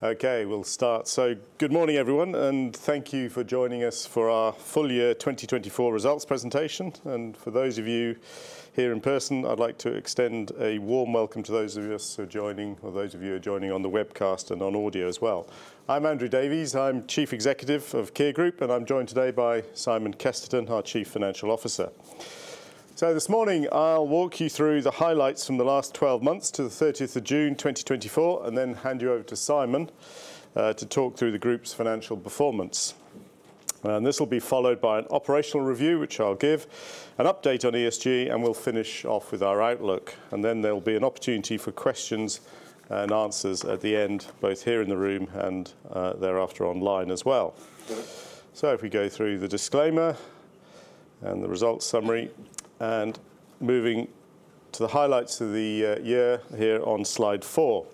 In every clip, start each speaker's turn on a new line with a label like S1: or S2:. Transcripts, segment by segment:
S1: Okay, we'll start. Good morning, everyone, and thank you for joining us for our full year 2024 results presentation. For those of you here in person, I'd like to extend a warm welcome to those of us who are joining or those of you who are joining on the webcast and on audio as well. I'm Andrew Davies. I'm Chief Executive of Kier Group, and I'm joined today by Simon Kesterton, our Chief Financial Officer. This morning, I'll walk you through the highlights from the last 12 months to the 30th of June, 2024, and then hand you over to Simon to talk through the group's financial performance. This will be followed by an operational review, which I'll give, an update on ESG, and we'll finish off with our outlook. And then there'll be an opportunity for questions and answers at the end, both here in the room and thereafter online as well. So if we go through the disclaimer and the results summary, and moving to the highlights of the year here on slide four.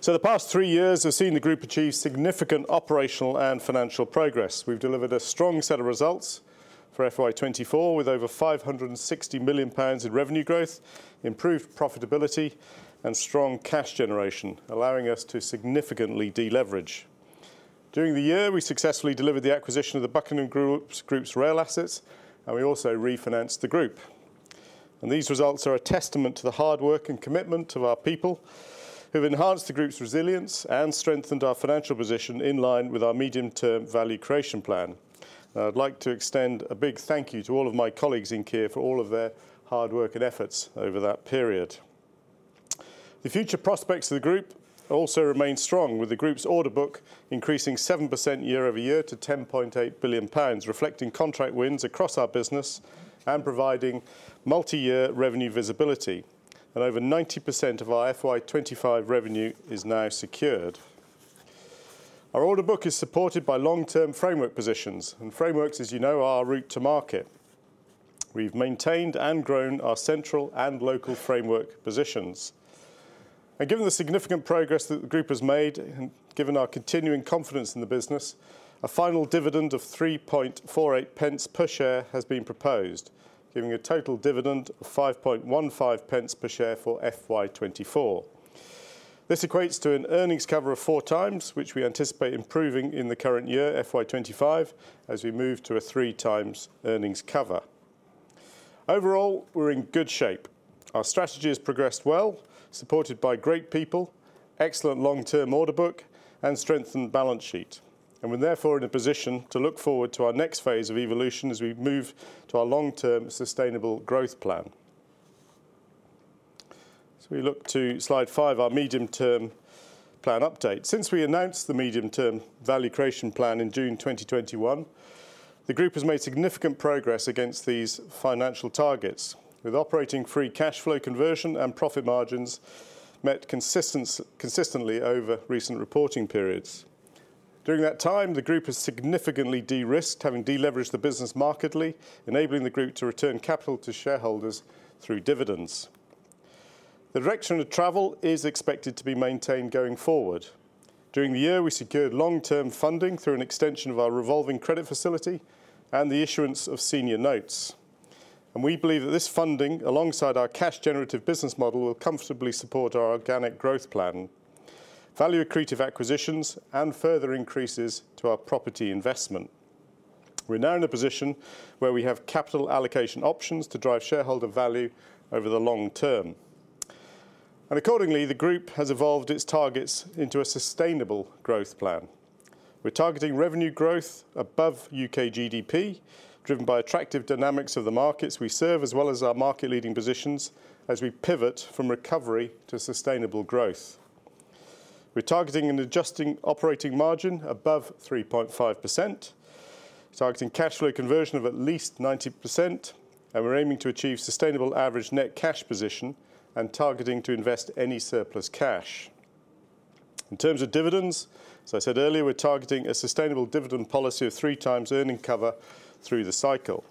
S1: So the past three years have seen the group achieve significant operational and financial progress. We've delivered a strong set of results for FY 2024, with over 560 million pounds in revenue growth, improved profitability, and strong cash generation, allowing us to significantly deleverage. During the year, we successfully delivered the acquisition of the Buckingham Group's rail assets, and we also refinanced the group. And these results are a testament to the hard work and commitment to our people, who've enhanced the group's resilience and strengthened our financial position in line with our medium-term value creation plan. I'd like to extend a big thank you to all of my colleagues in Kier for all of their hard work and efforts over that period. The future prospects of the group also remain strong, with the group's order book increasing 7% year-over-year to 10.8 billion pounds, reflecting contract wins across our business and providing multi-year revenue visibility. Over 90% of our FY 2025 revenue is now secured. Our order book is supported by long-term framework positions, and frameworks, as you know, are our route to market. We've maintained and grown our central and local framework positions. Given the significant progress that the group has made and given our continuing confidence in the business, a final dividend of 3.48 pence per share has been proposed, giving a total dividend of 5.15 pence per share for FY 2024. This equates to an earnings cover of four times, which we anticipate improving in the current year, FY 2025, as we move to a three times earnings cover. Overall, we're in good shape. Our strategy has progressed well, supported by great people, excellent long-term order book, and strengthened balance sheet. We're therefore in a position to look forward to our next phase of evolution as we move to our long-term sustainable growth plan. We look to slide five, our medium-term plan update. Since we announced the medium-term value creation plan in June 2021, the group has made significant progress against these financial targets, with operating free cash flow, conversion, and profit margins met consistently over recent reporting periods. During that time, the group has significantly de-risked, having deleveraged the business markedly, enabling the group to return capital to shareholders through dividends. The direction of travel is expected to be maintained going forward. During the year, we secured long-term funding through an extension of our revolving credit facility and the issuance of senior notes, and we believe that this funding, alongside our cash generative business model, will comfortably support our organic growth plan, value accretive acquisitions, and further increases to our property investment. We're now in a position where we have capital allocation options to drive shareholder value over the long term. Accordingly, the group has evolved its targets into a sustainable growth plan. We're targeting revenue growth above U.K. GDP, driven by attractive dynamics of the markets we serve, as well as our market-leading positions as we pivot from recovery to sustainable growth. We're targeting an adjusted operating margin above 3.5%, targeting cash flow conversion of at least 90%, and we're aiming to achieve sustainable average net cash position and targeting to invest any surplus cash. In terms of dividends, as I said earlier, we're targeting a sustainable dividend policy of three times earnings cover through the cycle.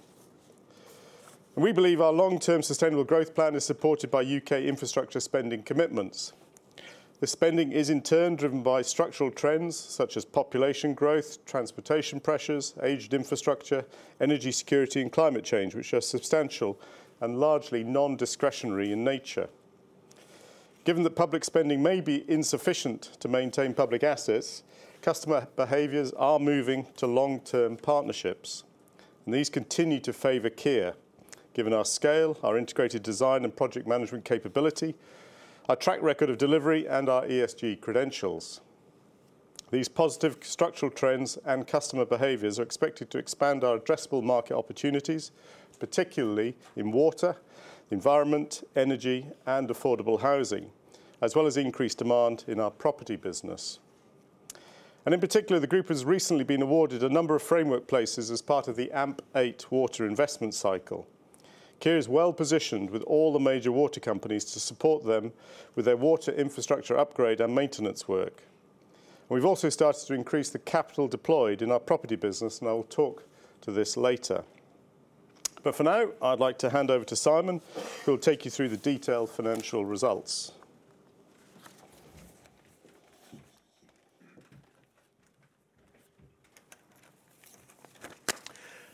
S1: We believe our long-term sustainable growth plan is supported by U.K. infrastructure spending commitments. The spending is in turn driven by structural trends such as population growth, transportation pressures, aged infrastructure, energy security, and climate change, which are substantial and largely non-discretionary in nature. Given the public spending may be insufficient to maintain public assets, customer behaviors are moving to long-term partnerships, and these continue to favor Kier, given our scale, our integrated design and project management capability, our track record of delivery, and our ESG credentials. These positive structural trends and customer behaviors are expected to expand our addressable market opportunities, particularly in water, environment, energy, and affordable housing, as well as increased demand in our property business, and in particular, the group has recently been awarded a number of framework places as part of the AMP8 water investment cycle. Kier is well-positioned with all the major water companies to support them with their water infrastructure upgrade and maintenance work. We've also started to increase the capital deployed in our property business, and I will talk to this later. But for now, I'd like to hand over to Simon, who will take you through the detailed financial results.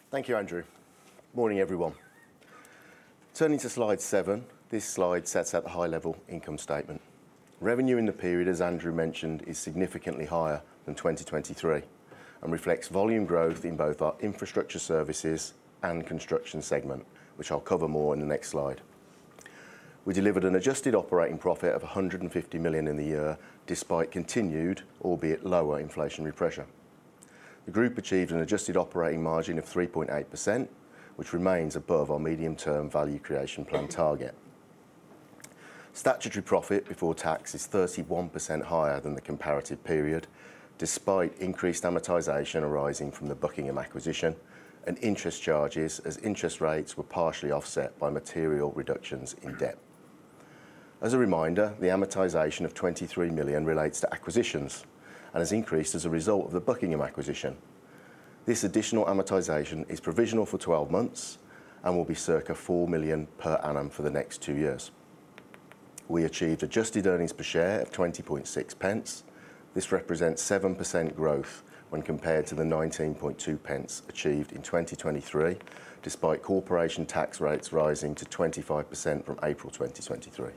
S2: Thank you, Andrew. Morning, everyone. Turning to slide seven, this slide sets out the high-level income statement. Revenue in the period, as Andrew mentioned, is significantly higher than 2023 and reflects volume growth in both our infrastructure services and construction segment, which I'll cover more in the next slide. We delivered an adjusted operating profit of 150 million in the year, despite continued, albeit lower, inflationary pressure. The group achieved an adjusted operating margin of 3.8%, which remains above our medium-term value creation plan target. Statutory profit before tax is 31% higher than the comparative period, despite increased amortization arising from the Buckingham acquisition and interest charges as interest rates were partially offset by material reductions in debt. As a reminder, the amortization of 23 million relates to acquisitions and has increased as a result of the Buckingham acquisition. This additional amortization is provisional for twelve months and will be circa 4 million per annum for the next two years. We achieved adjusted earnings per share of 20.6 pence. This represents 7% growth when compared to the 19.2 pence achieved in 2023, despite corporation tax rates rising to 25% from April 2023.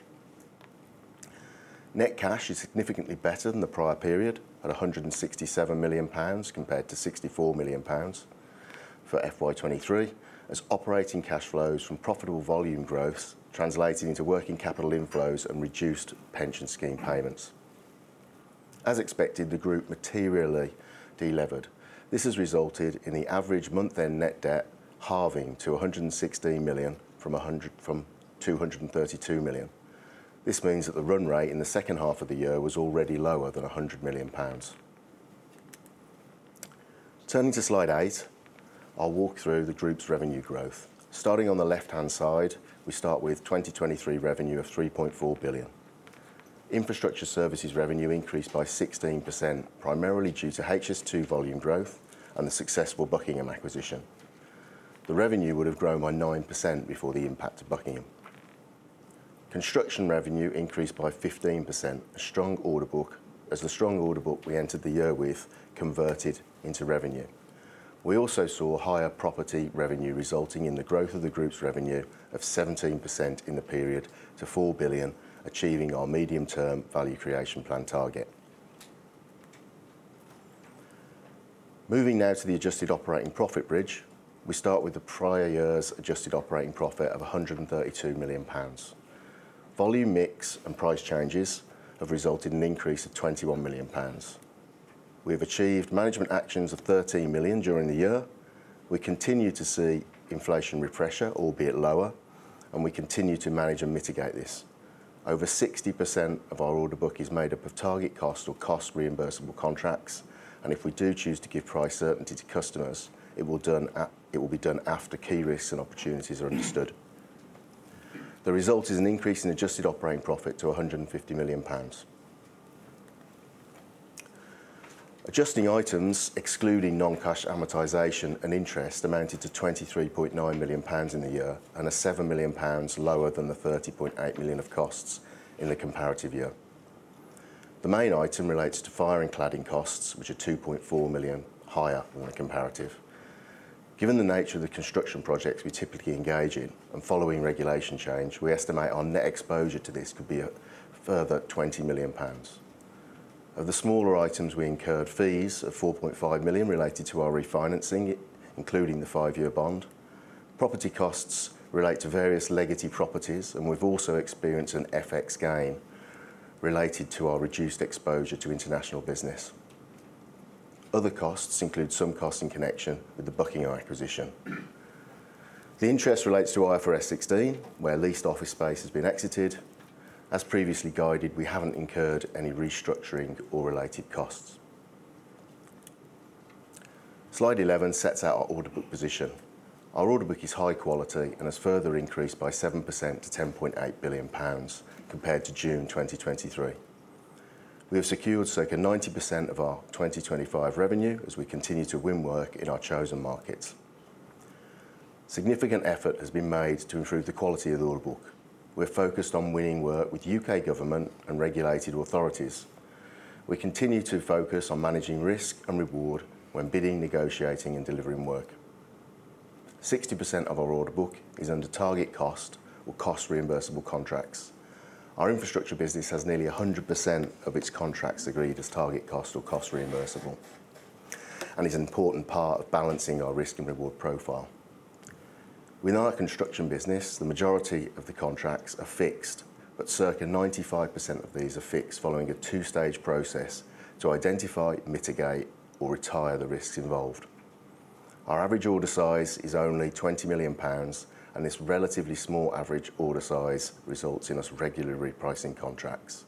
S2: Net cash is significantly better than the prior period, at 167 million pounds, compared to 64 million pounds for FY 2023, as operating cash flows from profitable volume growth translating into working capital inflows and reduced pension scheme payments. As expected, the group materially delevered. This has resulted in the average month-end net debt halving to 116 million from 232 million. This means that the run rate in the second half of the year was already lower than 100 million pounds. Turning to slide eight, I'll walk through the group's revenue growth. Starting on the left-hand side, we start with 2023 revenue of 3.4 billion. Infrastructure services revenue increased by 16%, primarily due to HS2 volume growth and the successful Buckingham acquisition. The revenue would have grown by 9% before the impact of Buckingham. Construction revenue increased by 15%. A strong order book, as the strong order book we entered the year with converted into revenue. We also saw higher property revenue, resulting in the growth of the group's revenue of 17% in the period to 4 billion, achieving our medium-term value creation plan target. Moving now to the adjusted operating profit bridge. We start with the prior year's adjusted operating profit of 132 million pounds. Volume mix and price changes have resulted in an increase of 21 million pounds. We have achieved management actions of 13 million during the year. We continue to see inflationary pressure, albeit lower, and we continue to manage and mitigate this. Over 60% of our order book is made up of target cost or cost reimbursable contracts, and if we do choose to give price certainty to customers, it will be done after key risks and opportunities are understood. The result is an increase in adjusted operating profit to 150 million pounds. Adjusting items excluding non-cash amortization and interest amounted to 23.9 million pounds in the year, and are 7 million pounds lower than the 30.8 million of costs in the comparative year. The main item relates to fire and cladding costs, which are 2.4 million higher than the comparative. Given the nature of the construction projects we typically engage in and following regulation change, we estimate our net exposure to this could be a further 20 million pounds. Of the smaller items, we incurred fees of 4.5 million related to our refinancing, including the five-year bond. Property costs relate to various legacy properties, and we've also experienced an FX gain related to our reduced exposure to international business. Other costs include some costs in connection with the Buckingham acquisition. The interest relates to IFRS 16, where leased office space has been exited. As previously guided, we haven't incurred any restructuring or related costs. Slide 11 sets out our order book position. Our order book is high quality and has further increased by 7% to 10.8 billion pounds compared to June 2023. We have secured circa 90% of our 2025 revenue as we continue to win work in our chosen markets. Significant effort has been made to improve the quality of the order book. We're focused on winning work with U.K. government and regulated authorities. We continue to focus on managing risk and reward when bidding, negotiating, and delivering work. 60% of our order book is under target cost or cost reimbursable contracts. Our infrastructure business has nearly 100% of its contracts agreed as target cost or cost reimbursable, and is an important part of balancing our risk and reward profile. Within our construction business, the majority of the contracts are fixed, but circa 95% of these are fixed following a two-stage process to identify, mitigate, or retire the risks involved. Our average order size is only 20 million pounds, and this relatively small average order size results in us regularly repricing contracts.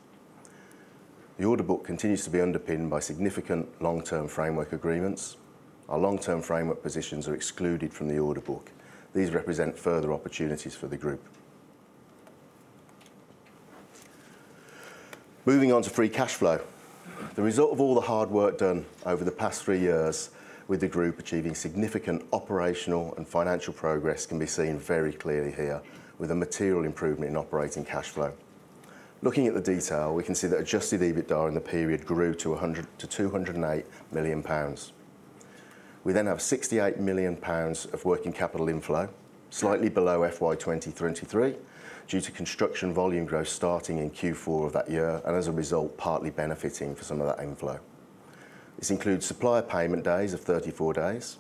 S2: The order book continues to be underpinned by significant long-term framework agreements. Our long-term framework positions are excluded from the order book. These represent further opportunities for the group. Moving on to free cash flow. The result of all the hard work done over the past three years with the group achieving significant operational and financial progress can be seen very clearly here, with a material improvement in operating cash flow. Looking at the detail, we can see that Adjusted EBITDA in the period grew to 100, to 208 million pounds. We then have 68 million pounds of working capital inflow, slightly below FY 2023, due to construction volume growth starting in Q4 of that year, and as a result, partly benefiting from some of that inflow. This includes supplier payment days of 34 days.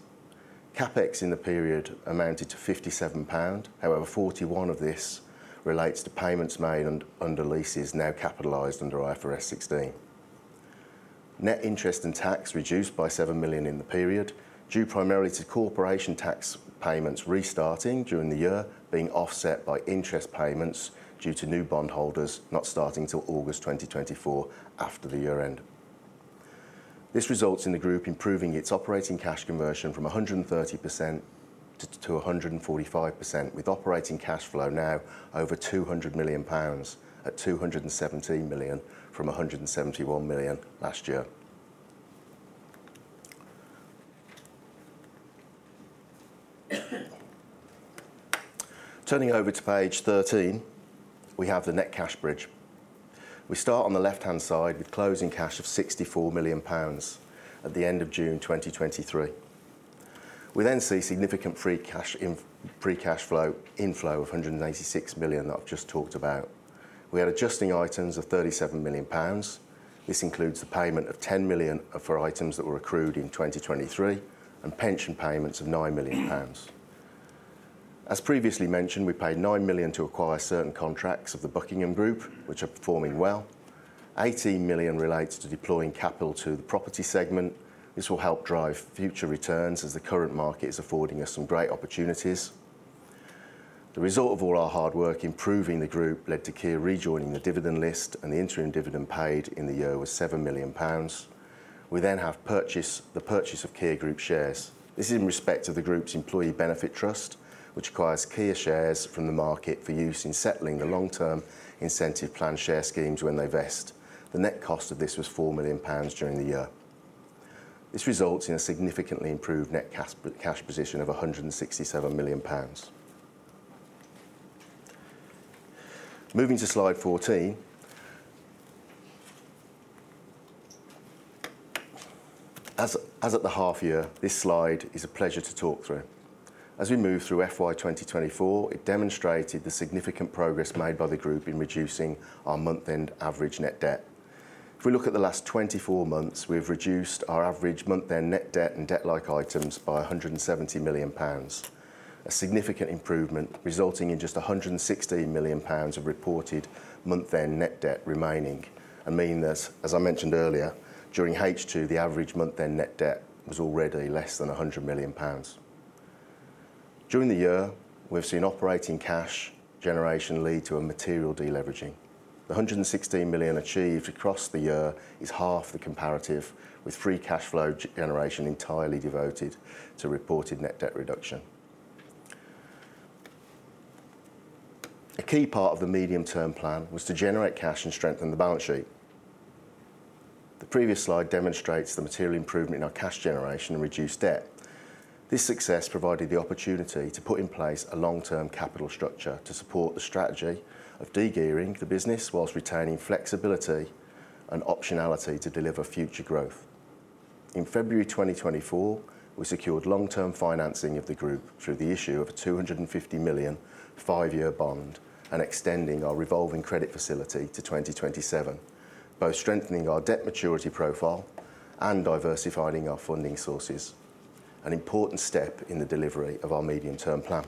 S2: CapEx in the period amounted to 57 pound. However, 41 of this relates to payments made under leases now capitalized under IFRS 16. Net interest and tax reduced by 7 million in the period, due primarily to corporation tax payments restarting during the year, being offset by interest payments due to new bondholders not starting till August 2024 after the year-end. This results in the group improving its operating cash conversion from 100% to 145%, with operating cash flow now over 200 million pounds, at 217 million from 171 million last year. Turning over to page 13, we have the net cash bridge. We start on the left-hand side with closing cash of 64 million pounds at the end of June 2023. We then see significant free cash flow inflow of 186 million that I've just talked about. We had adjusting items of 37 million pounds. This includes the payment of 10 million for items that were accrued in 2023, and pension payments of 9 million pounds. As previously mentioned, we paid 9 million to acquire certain contracts of the Buckingham Group, which are performing well. 18 million relates to deploying capital to the property segment. This will help drive future returns as the current market is affording us some great opportunities. The result of all our hard work improving the group led to Kier rejoining the dividend list, and the interim dividend paid in the year was 7 million pounds. We then have the purchase of Kier Group shares. This is in respect to the group's employee benefit trust, which acquires Kier shares from the market for use in settling the long-term incentive plan share schemes when they vest. The net cost of this was 4 million pounds during the year. This results in a significantly improved net cash position of 167 million pounds. Moving to slide 14. As at the half year, this slide is a pleasure to talk through. As we move through FY 2024, it demonstrated the significant progress made by the group in reducing our month-end average net debt. If we look at the last 24 months, we've reduced our average month-end net debt and debt-like items by 170 million pounds. A significant improvement, resulting in just 116 million pounds of reported month-end net debt remaining, and mean that, as I mentioned earlier, during H2, the average month-end net debt was already less than 100 million pounds. During the year, we've seen operating cash generation lead to a material deleveraging. The 116 million achieved across the year is half the comparative, with free cash flow generation entirely devoted to reported net debt reduction. A key part of the medium-term plan was to generate cash and strengthen the balance sheet. The previous slide demonstrates the material improvement in our cash generation and reduced debt. This success provided the opportunity to put in place a long-term capital structure to support the strategy of de-gearing the business whilst retaining flexibility and optionality to deliver future growth. In February 2024, we secured long-term financing of the group through the issue of a 250 million five-year bond and extending our revolving credit facility to 2027, both strengthening our debt maturity profile and diversifying our funding sources, an important step in the delivery of our medium-term plan.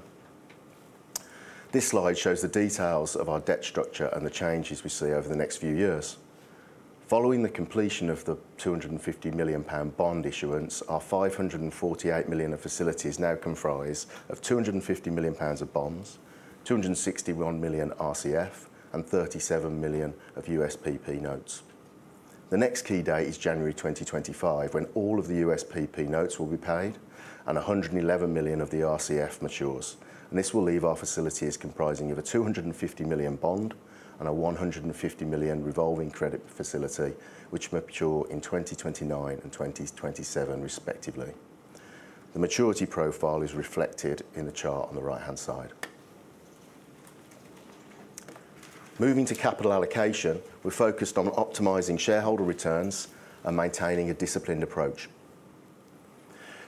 S2: This slide shows the details of our debt structure and the changes we see over the next few years. Following the completion of the 250 million pound bond issuance, our 548 million of facilities now comprise of 250 million pounds of bonds, 261 million RCF, and 37 million of USPP notes. The next key date is January 2025, when all of the USPP notes will be paid and 111 million of the RCF matures. This will leave our facilities comprising of a 250 million bond and a 150 million revolving credit facility, which mature in 2029 and 2027, respectively. The maturity profile is reflected in the chart on the right-hand side. Moving to capital allocation, we're focused on optimizing shareholder returns and maintaining a disciplined approach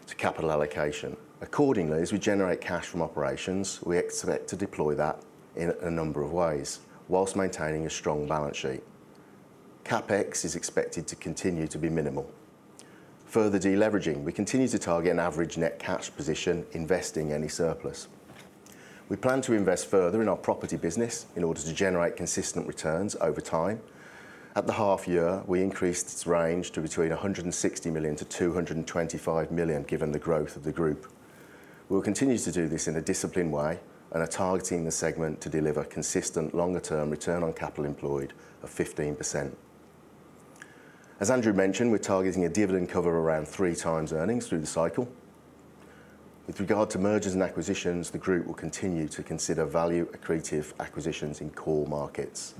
S2: to capital allocation. Accordingly, as we generate cash from operations, we expect to deploy that in a number of ways while maintaining a strong balance sheet. CapEx is expected to continue to be minimal. Further deleveraging, we continue to target an average net cash position, investing any surplus. We plan to invest further in our property business in order to generate consistent returns over time. At the half year, we increased its range to between 160 million to 225 million, given the growth of the group. We will continue to do this in a disciplined way and are targeting the segment to deliver consistent, longer-term return on capital employed of 15%. As Andrew mentioned, we're targeting a dividend cover around three times earnings through the cycle. With regard to mergers and acquisitions, the group will continue to consider value accretive acquisitions in core markets.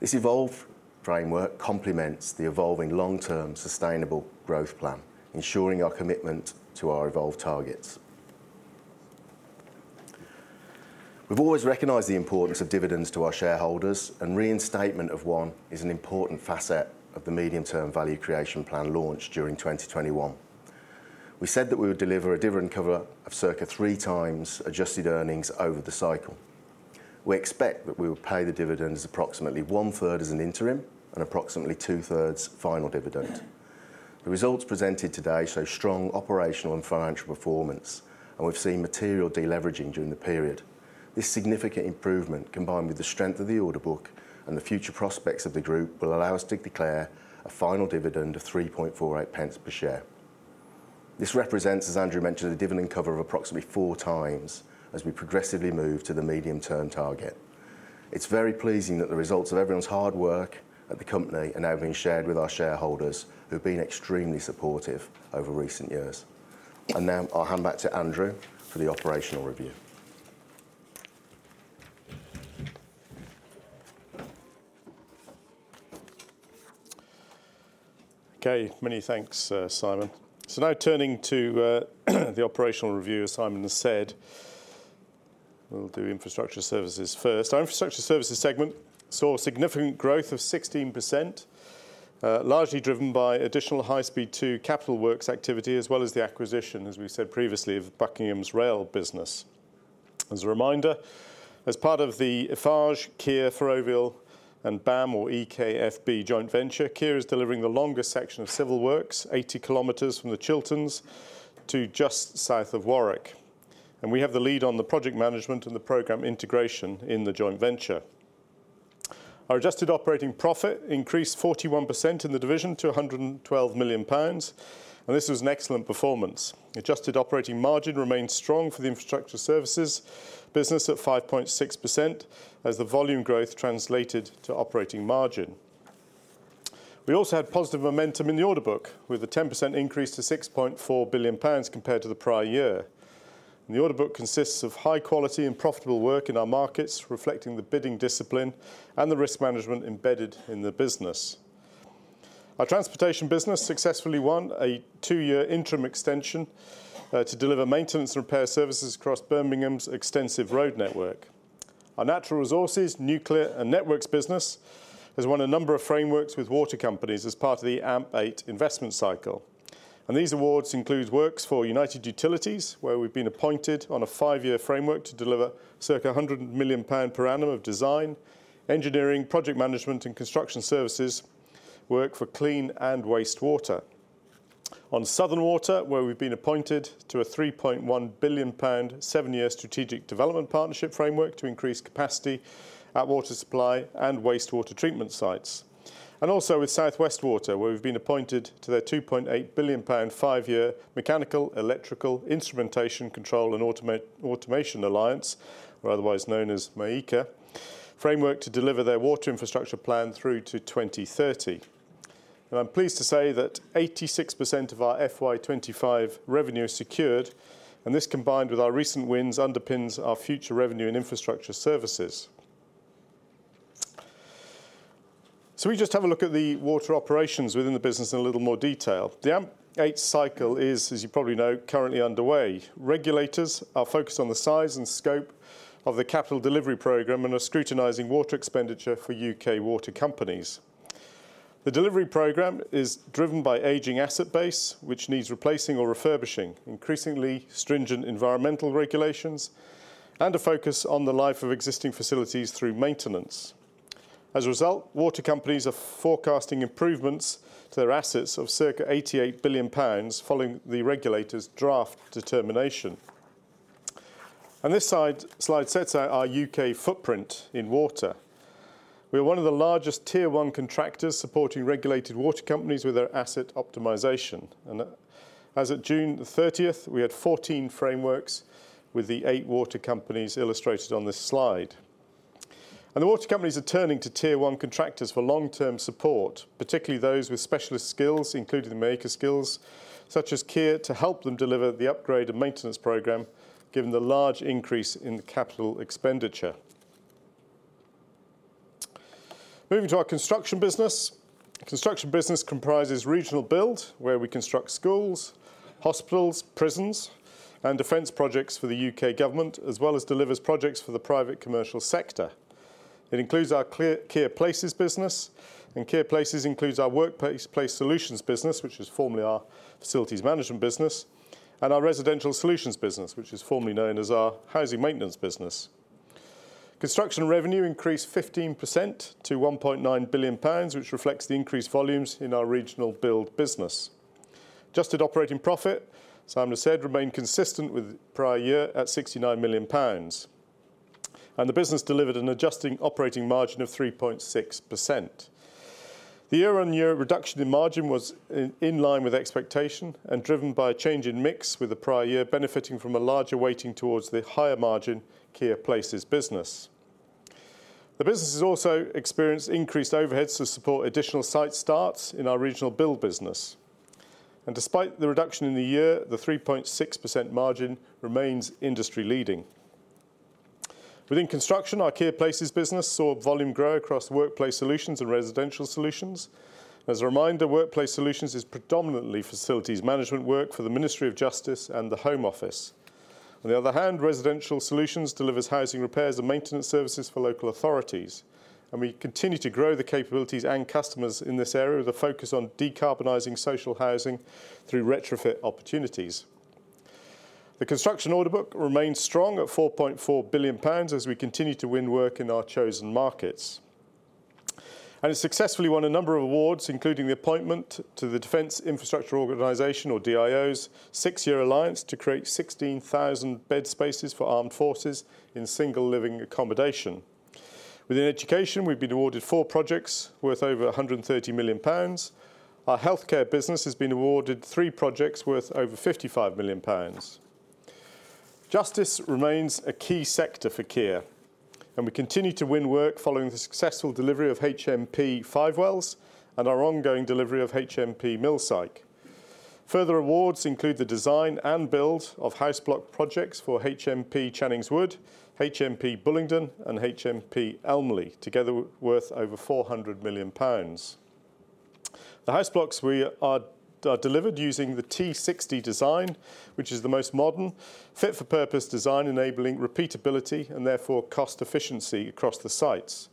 S2: This evolve framework complements the evolving long-term sustainable growth plan, ensuring our commitment to our evolved targets. We've always recognized the importance of dividends to our shareholders, and reinstatement of one is an important facet of the medium-term value creation plan launched during 2021. We said that we would deliver a dividend cover of circa three times adjusted earnings over the cycle. We expect that we will pay the dividends approximately one-third as an interim and approximately two-thirds final dividend. The results presented today show strong operational and financial performance, and we've seen material deleveraging during the period. This significant improvement, combined with the strength of the order book and the future prospects of the group, will allow us to declare a final dividend of 3.48 pence per share. This represents, as Andrew mentioned, a dividend cover of approximately four times as we progressively move to the medium-term target. It's very pleasing that the results of everyone's hard work at the company are now being shared with our shareholders, who've been extremely supportive over recent years. And now I'll hand back to Andrew for the operational review.
S1: Okay, many thanks, Simon. Now turning to the operational review, as Simon has said. We'll do infrastructure services first. Our infrastructure services segment saw significant growth of 16%, largely driven by additional High Speed Two capital works activity, as well as the acquisition, as we said previously, of Buckingham's Rail business. As a reminder, as part of the Eiffage, Kier, Ferrovial and BAM or EKFB joint venture, Kier is delivering the longest section of civil works, 80 km from the Chilterns to just south of Warwick, and we have the lead on the project management and the program integration in the joint venture. Our adjusted operating profit increased 41% in the division to 212 million pounds, and this was an excellent performance. Adjusted operating margin remained strong for the infrastructure services business at 5.6% as the volume growth translated to operating margin. We also had positive momentum in the order book, with a 10% increase to 6.4 billion pounds compared to the prior year. And the order book consists of high quality and profitable work in our markets, reflecting the bidding discipline and the risk management embedded in the business. Our transportation business successfully won a two-year interim extension to deliver maintenance and repair services across Birmingham's extensive road network. Our natural resources, nuclear and networks business has won a number of frameworks with water companies as part of the AMP8 investment cycle. And these awards include works for United Utilities, where we've been appointed on a five-year framework to deliver circa 100 million pound per annum of design, engineering, project management, and construction services work for clean and wastewater. On Southern Water, where we've been appointed to a 3.1 billion pound, seven-year strategic development partnership framework to increase capacity at water supply and wastewater treatment sites. And also with South West Water, where we've been appointed to their 2.8 billion pound, five-year mechanical, electrical, instrumentation, control and automation alliance, or otherwise known as MEICA, framework to deliver their water infrastructure plan through to 2030. And I'm pleased to say that 86% of our FY 2025 revenue is secured, and this, combined with our recent wins, underpins our future revenue and infrastructure services. We just have a look at the water operations within the business in a little more detail. The AMP8 cycle is, as you probably know, currently underway. Regulators are focused on the size and scope of the capital delivery program and are scrutinizing water expenditure for U.K. water companies. The delivery program is driven by aging asset base, which needs replacing or refurbishing, increasingly stringent environmental regulations, and a focus on the life of existing facilities through maintenance. As a result, water companies are forecasting improvements to their assets of circa 88 billion pounds following the regulator's draft determination. And this slide sets out our U.K. footprint in water. We are one of the largest Tier one contractors supporting regulated water companies with their asset optimization, and as at June the thirtieth, we had 14 frameworks with the eight water companies illustrated on this slide. And the water companies are turning to Tier one contractors for long-term support, particularly those with specialist skills, including the MEICA skills, such as Kier, to help them deliver the upgrade and maintenance program, given the large increase in capital expenditure. Moving to our construction business. Construction business comprises regional build, where we construct schools, hospitals, prisons, and defense projects for the U.K. government, as well as delivers projects for the private commercial sector. It includes our Kier Places business, and Kier Places includes our Workplace Solutions business, which was formerly our facilities management business, and our Residential Solutions business, which is formerly known as our housing maintenance business. Construction revenue increased 15% to 1.9 billion pounds, which reflects the increased volumes in our regional build business. Adjusted operating profit, Simon has said, remained consistent with prior year at 69 million pounds, and the business delivered an adjusted operating margin of 3.6%. The year-on-year reduction in margin was in line with expectation and driven by a change in mix, with the prior year benefiting from a larger weighting towards the higher margin Kier Places business. The business has also experienced increased overheads to support additional site starts in our regional build business, and despite the reduction in the year, the 3.6% margin remains industry-leading. Within construction, our Kier Places business saw volume grow across Workplace Solutions and Residential Solutions. As a reminder, Workplace Solutions is predominantly facilities management work for the Ministry of Justice and the Home Office. On the other hand, Residential Solutions delivers housing repairs and maintenance services for local authorities, and we continue to grow the capabilities and customers in this area, with a focus on decarbonizing social housing through retrofit opportunities. The construction order book remains strong at 4.4 billion pounds as we continue to win work in our chosen markets, and it successfully won a number of awards, including the appointment to the Defence Infrastructure Organisation, or DIO's, six-year alliance to create 16,000 bed spaces for armed forces in single living accommodation. Within education, we've been awarded four projects worth over 130 million pounds. Our healthcare business has been awarded three projects worth over 55 million pounds. Justice remains a key sector for Kier, and we continue to win work following the successful delivery of HMP Five Wells and our ongoing delivery of HMP Millsike. Further awards include the design and build of house block projects for HMP Channings Wood, HMP Bullingdon and HMP Elmley, together worth over 400 million pounds. The house blocks are delivered using the T60 design, which is the most modern, fit-for-purpose design, enabling repeatability and therefore cost efficiency across the sites.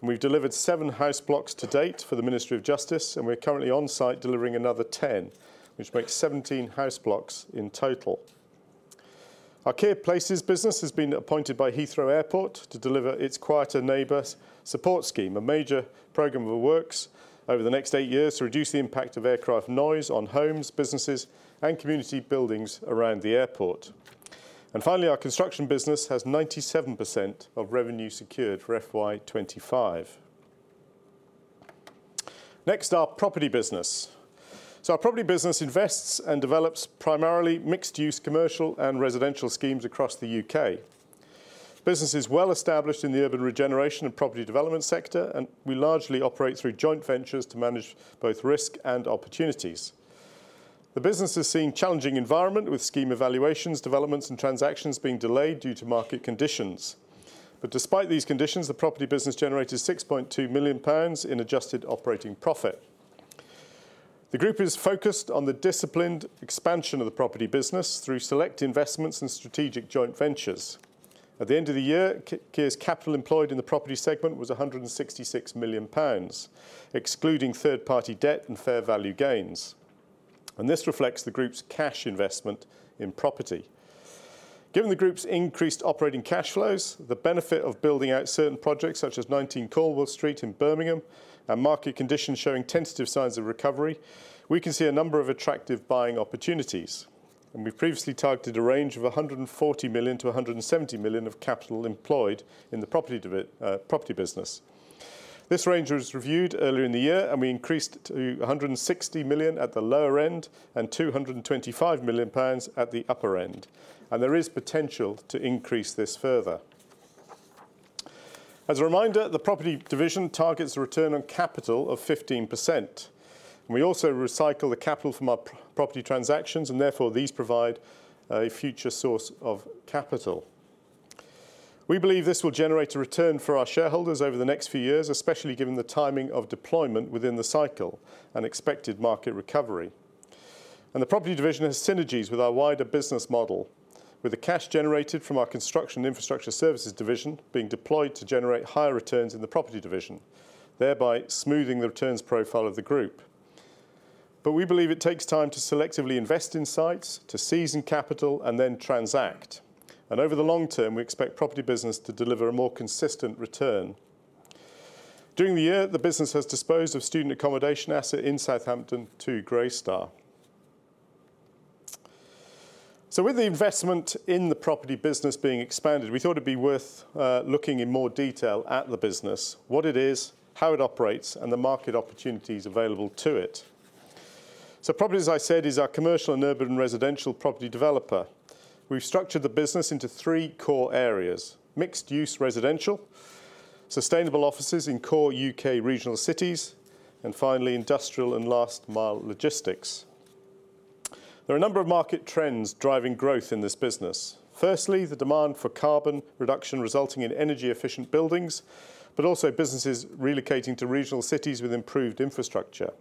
S1: And we've delivered seven house blocks to date for the Ministry of Justice, and we're currently on site delivering another 10, which makes 17 house blocks in total. Our Kier Places business has been appointed by Heathrow Airport to deliver its Quieter Neighbours Support Scheme, a major program of works over the next eight years to reduce the impact of aircraft noise on homes, businesses and community buildings around the airport. And finally, our construction business has 97% of revenue secured for FY 2025. Next, our property business. Our property business invests and develops primarily mixed-use commercial and residential schemes across the U.K. Business is well established in the urban regeneration and property development sector, and we largely operate through joint ventures to manage both risk and opportunities. The business has seen challenging environment, with scheme evaluations, developments and transactions being delayed due to market conditions. Despite these conditions, the property business generated 6.2 million pounds in adjusted operating profit. The group is focused on the disciplined expansion of the property business through select investments and strategic joint ventures. At the end of the year, Kier's capital employed in the property segment was 166 million pounds, excluding third-party debt and fair value gains, and this reflects the group's cash investment in property. Given the group's increased operating cash flows, the benefit of building out certain projects, such as 19 Cornwall Street in Birmingham, and market conditions showing tentative signs of recovery, we can see a number of attractive buying opportunities. And we've previously targeted a range of 140 million-170 million of capital employed in the property business. This range was reviewed earlier in the year, and we increased it to 160 million at the lower end and 225 million pounds at the upper end, and there is potential to increase this further. As a reminder, the property division targets a return on capital of 15%. We also recycle the capital from our property transactions, and therefore these provide a future source of capital. We believe this will generate a return for our shareholders over the next few years, especially given the timing of deployment within the cycle and expected market recovery. And the property division has synergies with our wider business model, with the cash generated from our construction infrastructure services division being deployed to generate higher returns in the property division, thereby smoothing the returns profile of the group. But we believe it takes time to selectively invest in sites, to season capital, and then transact. And over the long term, we expect property business to deliver a more consistent return. During the year, the business has disposed of student accommodation asset in Southampton to Greystar. So with the investment in the property business being expanded, we thought it'd be worth looking in more detail at the business, what it is, how it operates, and the market opportunities available to it. Property, as I said, is our commercial and urban residential property developer. We've structured the business into three core areas: mixed-use residential, sustainable offices in core U.K. regional cities, and finally, industrial and last-mile logistics. There are a number of market trends driving growth in this business. Firstly, the demand for carbon reduction resulting in energy-efficient buildings, but also businesses relocating to regional cities with improved infrastructure.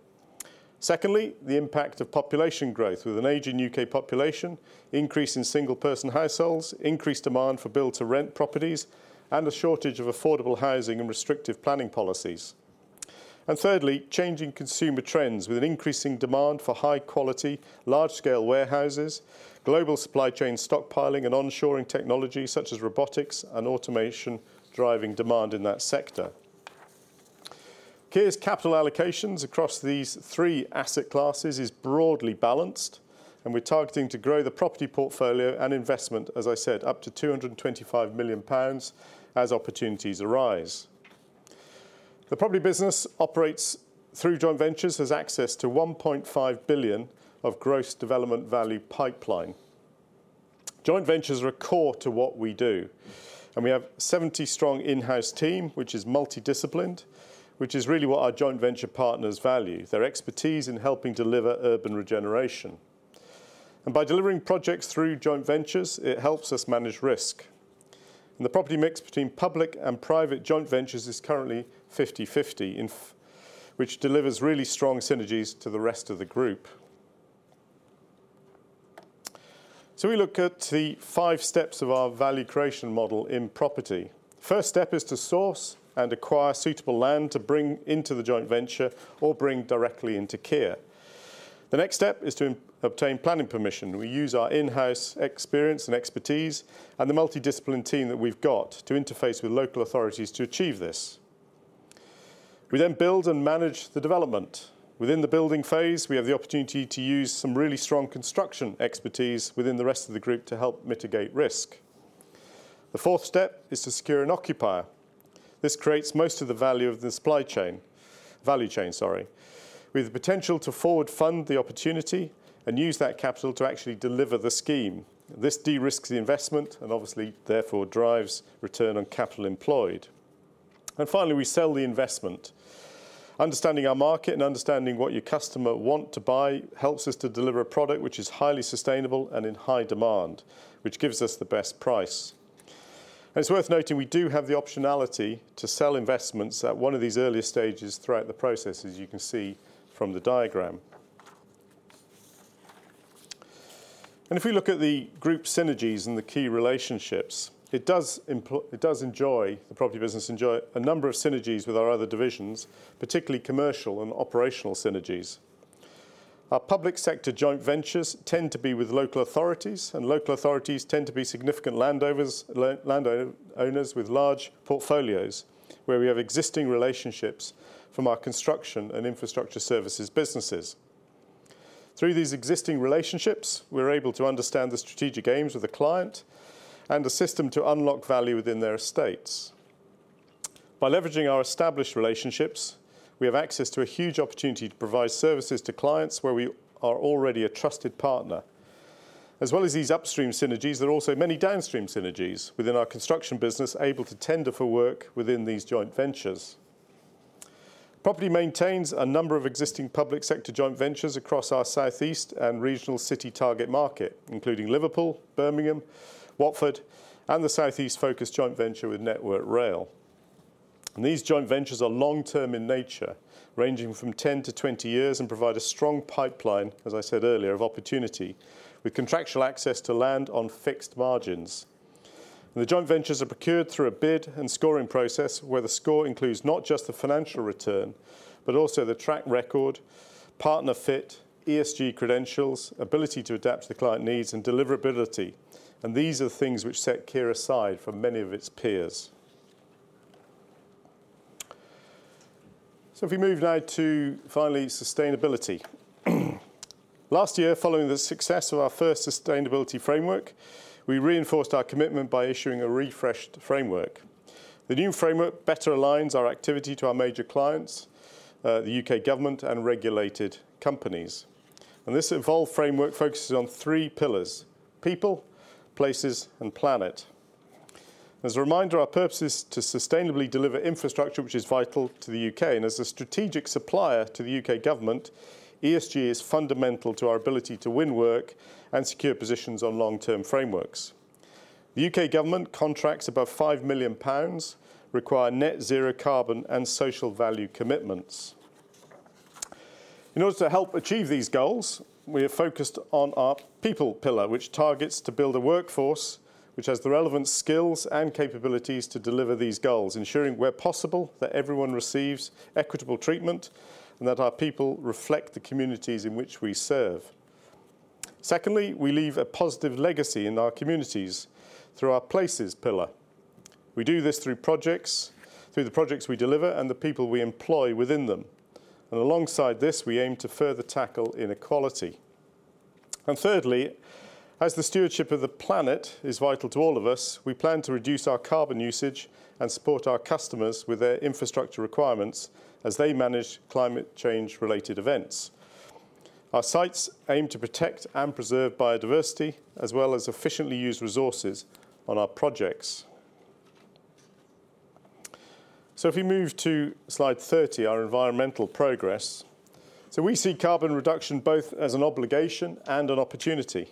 S1: Secondly, the impact of population growth, with an aging U.K. population, increase in single-person households, increased demand for build-to-rent properties, and a shortage of affordable housing and restrictive planning policies. And thirdly, changing consumer trends with an increasing demand for high quality, large-scale warehouses, global supply chain stockpiling and onshoring technology such as robotics and automation, driving demand in that sector. Kier's capital allocations across these three asset classes is broadly balanced, and we're targeting to grow the property portfolio and investment, as I said, up to 225 million pounds as opportunities arise. The property business operates through joint ventures, has access to 1.5 billion of gross development value pipeline. Joint ventures are core to what we do, and we have 70-strong in-house team, which is multidisciplined, which is really what our joint venture partners value, their expertise in helping deliver urban regeneration, and by delivering projects through joint ventures, it helps us manage risk, and the property mix between public and private joint ventures is currently 50/50, which delivers really strong synergies to the rest of the group, so we look at the five steps of our value creation model in property. First step is to source and acquire suitable land to bring into the joint venture or bring directly into Kier. The next step is to obtain planning permission. We use our in-house experience and expertise and the multidisciplinary team that we've got to interface with local authorities to achieve this. We then build and manage the development. Within the building phase, we have the opportunity to use some really strong construction expertise within the rest of the group to help mitigate risk. The fourth step is to secure an occupier. This creates most of the value of the supply chain - value chain, sorry. We have the potential to forward-fund the opportunity and use that capital to actually deliver the scheme. This de-risks the investment and obviously therefore drives return on capital employed. And finally, we sell the investment. Understanding our market and understanding what your customer want to buy helps us to deliver a product which is highly sustainable and in high demand, which gives us the best price. And it's worth noting, we do have the optionality to sell investments at one of these earlier stages throughout the process, as you can see from the diagram. And if we look at the group synergies and the key relationships, it does enjoy, the property business enjoy a number of synergies with our other divisions, particularly commercial and operational synergies. Our public sector joint ventures tend to be with local authorities, and local authorities tend to be significant landowners with large portfolios, where we have existing relationships from our construction and infrastructure services businesses. Through these existing relationships, we're able to understand the strategic aims of the client and assist them to unlock value within their estates. By leveraging our established relationships, we have access to a huge opportunity to provide services to clients where we are already a trusted partner. As well as these upstream synergies, there are also many downstream synergies within our construction business, able to tender for work within these joint ventures. Property maintains a number of existing public sector joint ventures across our South East and regional city target market, including Liverpool, Birmingham, Watford, and the South East-focused joint venture with Network Rail, and these joint ventures are long-term in nature, ranging from 10 to 20 years, and provide a strong pipeline, as I said earlier, of opportunity, with contractual access to land on fixed margins. The joint ventures are procured through a bid and scoring process, where the score includes not just the financial return, but also the track record, partner fit, ESG credentials, ability to adapt to the client needs, and deliverability. These are the things which set Kier aside from many of its peers. If we move now to, finally, sustainability. Last year, following the success of our first sustainability framework, we reinforced our commitment by issuing a refreshed framework. The new framework better aligns our activity to our major clients, the U.K. government and regulated companies. This evolved framework focuses on three pillars: people, places, and planet. As a reminder, our purpose is to sustainably deliver infrastructure which is vital to the U.K. As a strategic supplier to the U.K. government, ESG is fundamental to our ability to win work and secure positions on long-term frameworks. The U.K. government contracts above 5 million pounds require net zero carbon and social value commitments. In order to help achieve these goals, we have focused on our people pillar, which targets to build a workforce which has the relevant skills and capabilities to deliver these goals, ensuring, where possible, that everyone receives equitable treatment and that our people reflect the communities in which we serve. Secondly, we leave a positive legacy in our communities through our places pillar. We do this through the projects we deliver and the people we employ within them. And alongside this, we aim to further tackle inequality. And thirdly, as the stewardship of the planet is vital to all of us, we plan to reduce our carbon usage and support our customers with their infrastructure requirements as they manage climate change-related events. Our sites aim to protect and preserve biodiversity, as well as efficiently use resources on our projects. So if we move to slide 30, our environmental progress. So we see carbon reduction both as an obligation and an opportunity.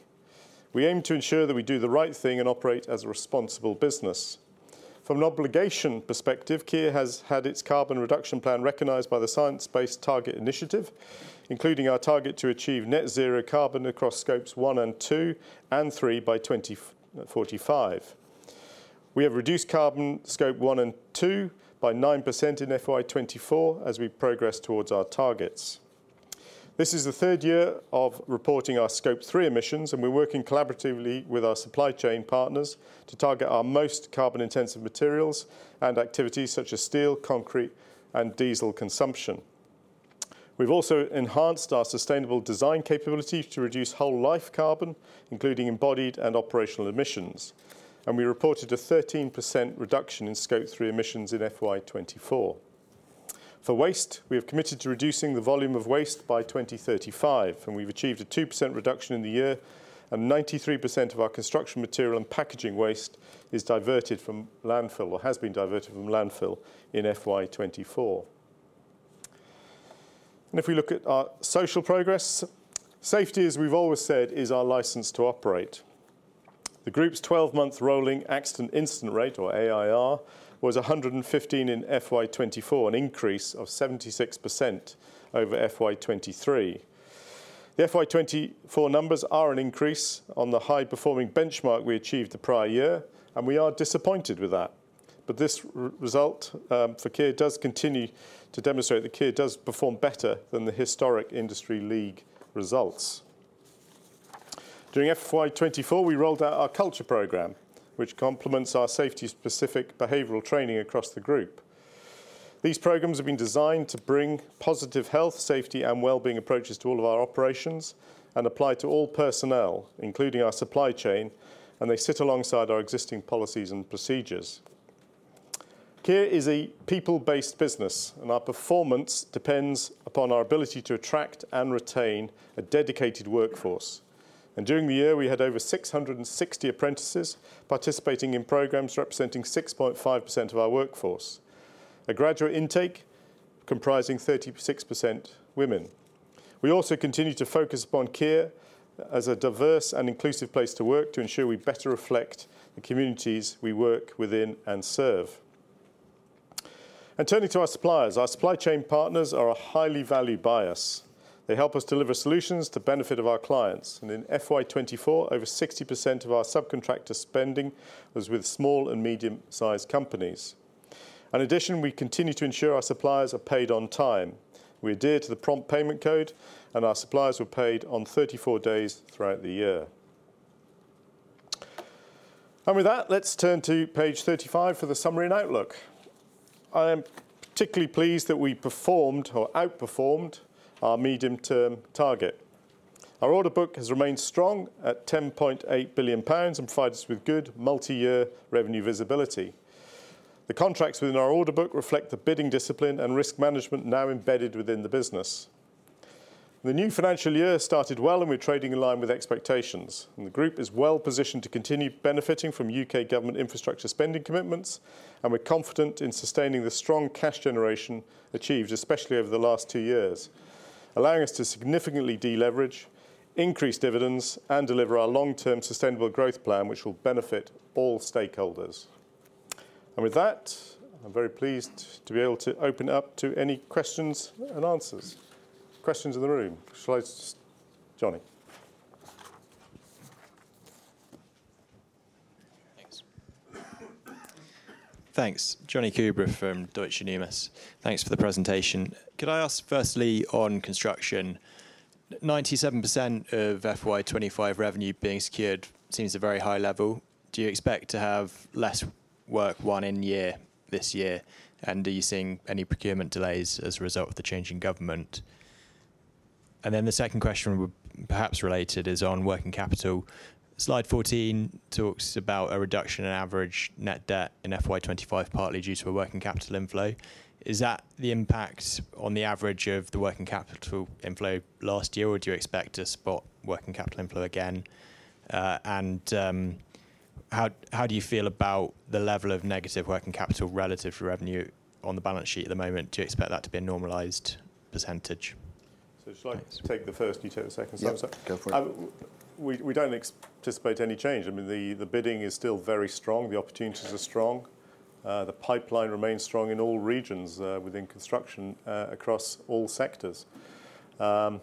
S1: We aim to ensure that we do the right thing and operate as a responsible business. From an obligation perspective, Kier has had its carbon reduction plan recognized by the Science Based Targets initiative, including our target to achieve net zero carbon across Scope 1 and 2, and three by 2045. We have reduced carbon Scope 1 and 2 by 9% in FY 2024 as we progress towards our targets. This is the third year of reporting our Scope 3 emissions, and we're working collaboratively with our supply chain partners to target our most carbon-intensive materials and activities such as steel, concrete, and diesel consumption. We've also enhanced our sustainable design capability to reduce whole life carbon, including embodied and operational emissions, and we reported a 13% reduction in Scope 3 emissions in FY 2024. For waste, we have committed to reducing the volume of waste by 2035, and we've achieved a 2% reduction in the year, and 93% of our construction material and packaging waste is diverted from landfill or has been diverted from landfill in FY 2024... and if we look at our social progress, safety, as we've always said, is our license to operate. The group's 12-month rolling Accident Incidence Rate, or AIR, was 115 in FY 2024, an increase of 76% over FY 2023. The FY 2024 numbers are an increase on the high-performing benchmark we achieved the prior year, and we are disappointed with that. This result for Kier does continue to demonstrate that Kier does perform better than the historic industry league results. During FY 2024, we rolled out our culture program, which complements our safety-specific behavioral training across the group. These programs have been designed to bring positive health, safety, and well-being approaches to all of our operations and apply to all personnel, including our supply chain, and they sit alongside our existing policies and procedures. Kier is a people-based business, and our performance depends upon our ability to attract and retain a dedicated workforce. During the year, we had over 660 apprentices participating in programs representing 6.5% of our workforce. A graduate intake comprising 36% women. We also continue to focus upon Kier as a diverse and inclusive place to work to ensure we better reflect the communities we work within and serve. Turning to our suppliers, our supply chain partners are highly valued by us. They help us deliver solutions to the benefit of our clients, and in FY 2024, over 60% of our subcontractor spending was with small and medium-sized companies. In addition, we continue to ensure our suppliers are paid on time. We adhere to the Prompt Payment Code, and our suppliers were paid on 34 days throughout the year. With that, let's turn to page 35 for the summary and outlook. I am particularly pleased that we performed or outperformed our medium-term target. Our order book has remained strong at 10.8 billion pounds and provides us with good multi-year revenue visibility. The contracts within our order book reflect the bidding discipline and risk management now embedded within the business. The new financial year started well, and we're trading in line with expectations, and the group is well-positioned to continue benefiting from U.K. government infrastructure spending commitments, and we're confident in sustaining the strong cash generation achieved, especially over the last two years, allowing us to significantly deleverage, increase dividends, and deliver our long-term sustainable growth plan, which will benefit all stakeholders, and with that, I'm very pleased to be able to open up to any questions and answers. Questions in the room. Shall I, Jonny?
S3: Thanks. Thanks. Jonny Coubrough from Deutsche Numis. Thanks for the presentation. Could I ask, firstly, on construction, 97% of FY 2025 revenue being secured seems a very high level. Do you expect to have less work won in year this year? And are you seeing any procurement delays as a result of the change in government? And then the second question, perhaps related, is on working capital. Slide 14 talks about a reduction in average net debt in FY 2025, partly due to a working capital inflow. Is that the impact on the average of the working capital inflow last year, or do you expect to spot working capital inflow again? And how do you feel about the level of negative working capital relative to revenue on the balance sheet at the moment? Do you expect that to be a normalized percentage?
S1: So shall I?
S3: Thanks.
S1: Take the first, you take the second?
S2: Yeah, go for it.
S1: We don't anticipate any change. I mean, the bidding is still very strong, the opportunities are strong. The pipeline remains strong in all regions, within construction, across all sectors. Our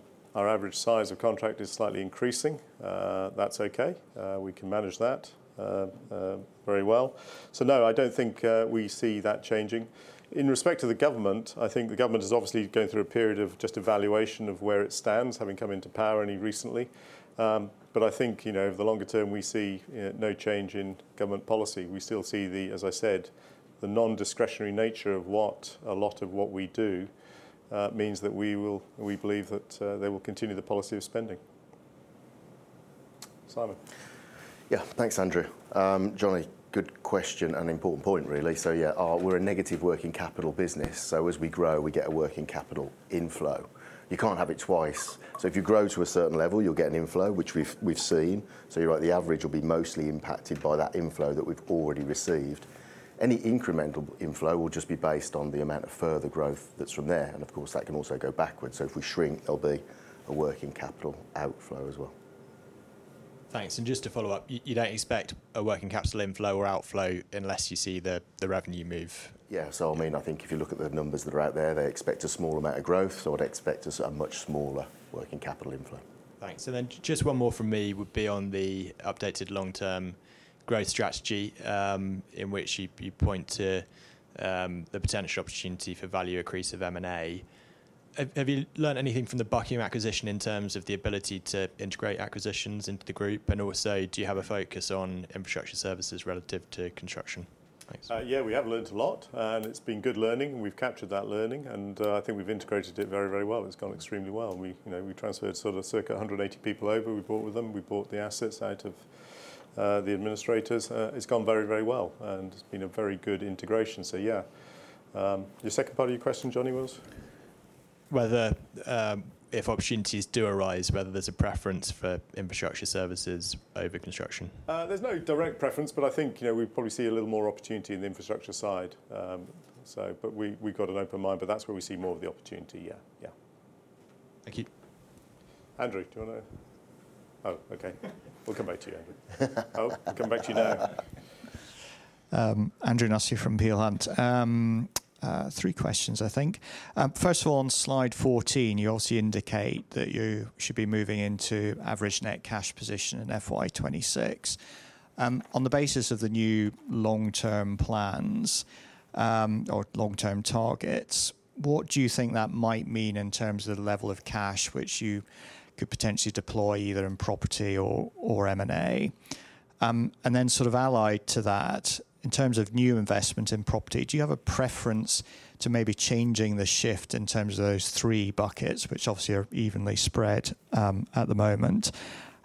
S1: average size of contract is slightly increasing. That's okay. We can manage that very well. So no, I don't think we see that changing. In respect to the government, I think the government is obviously going through a period of just evaluation of where it stands, having come into power only recently. But I think, you know, over the longer term, we see no change in government policy. We still see, as I said, the non-discretionary nature of what a lot of what we do means that we believe that they will continue the policy of spending. Simon?
S2: Yeah. Thanks, Andrew. Jonny, good question and important point, really. So yeah, we're a negative working capital business, so as we grow, we get a working capital inflow. You can't have it twice. So if you grow to a certain level, you'll get an inflow, which we've seen. So you're right, the average will be mostly impacted by that inflow that we've already received. Any incremental inflow will just be based on the amount of further growth that's from there, and of course, that can also go backwards. So if we shrink, there'll be a working capital outflow as well.
S3: Thanks. And just to follow up, you don't expect a working capital inflow or outflow unless you see the revenue move?
S2: Yeah. So I mean, I think if you look at the numbers that are out there, they expect a small amount of growth, so I'd expect to see a much smaller working capital inflow.
S3: Thanks. So then just one more from me would be on the updated long-term growth strategy, in which you point to, the potential opportunity for value increase of M&A. Have you learned anything from the Buckingham acquisition in terms of the ability to integrate acquisitions into the group? And also, do you have a focus on infrastructure services relative to construction? Thanks.
S1: Yeah, we have learned a lot, and it's been good learning, and we've captured that learning, and I think we've integrated it very, very well. It's gone extremely well. We, you know, we transferred sort of circa 180 people over. We brought with them. We brought the assets out of the administrators. It's gone very, very well and, you know, very good integration. So yeah. Your second part of your question, Jonny, was?
S3: Whether, if opportunities do arise, whether there's a preference for infrastructure services over construction?
S1: There's no direct preference, but I think, you know, we probably see a little more opportunity in the infrastructure side. But we've got an open mind, but that's where we see more of the opportunity. Yeah. Yeah.
S3: Thank you.
S1: Andrew, do you want to? Oh, okay. We'll come back to you, Andrew. Oh, come back to you now.
S4: Andrew Nussey from Peel Hunt. Three questions, I think. First of all, on slide 14, you obviously indicate that you should be moving into average net cash position in FY 2026. On the basis of the new long-term plans, or long-term targets, what do you think that might mean in terms of the level of cash which you could potentially deploy, either in property or M&A? And then sort of allied to that, in terms of new investment in property, do you have a preference to maybe changing the shift in terms of those three buckets, which obviously are evenly spread, at the moment?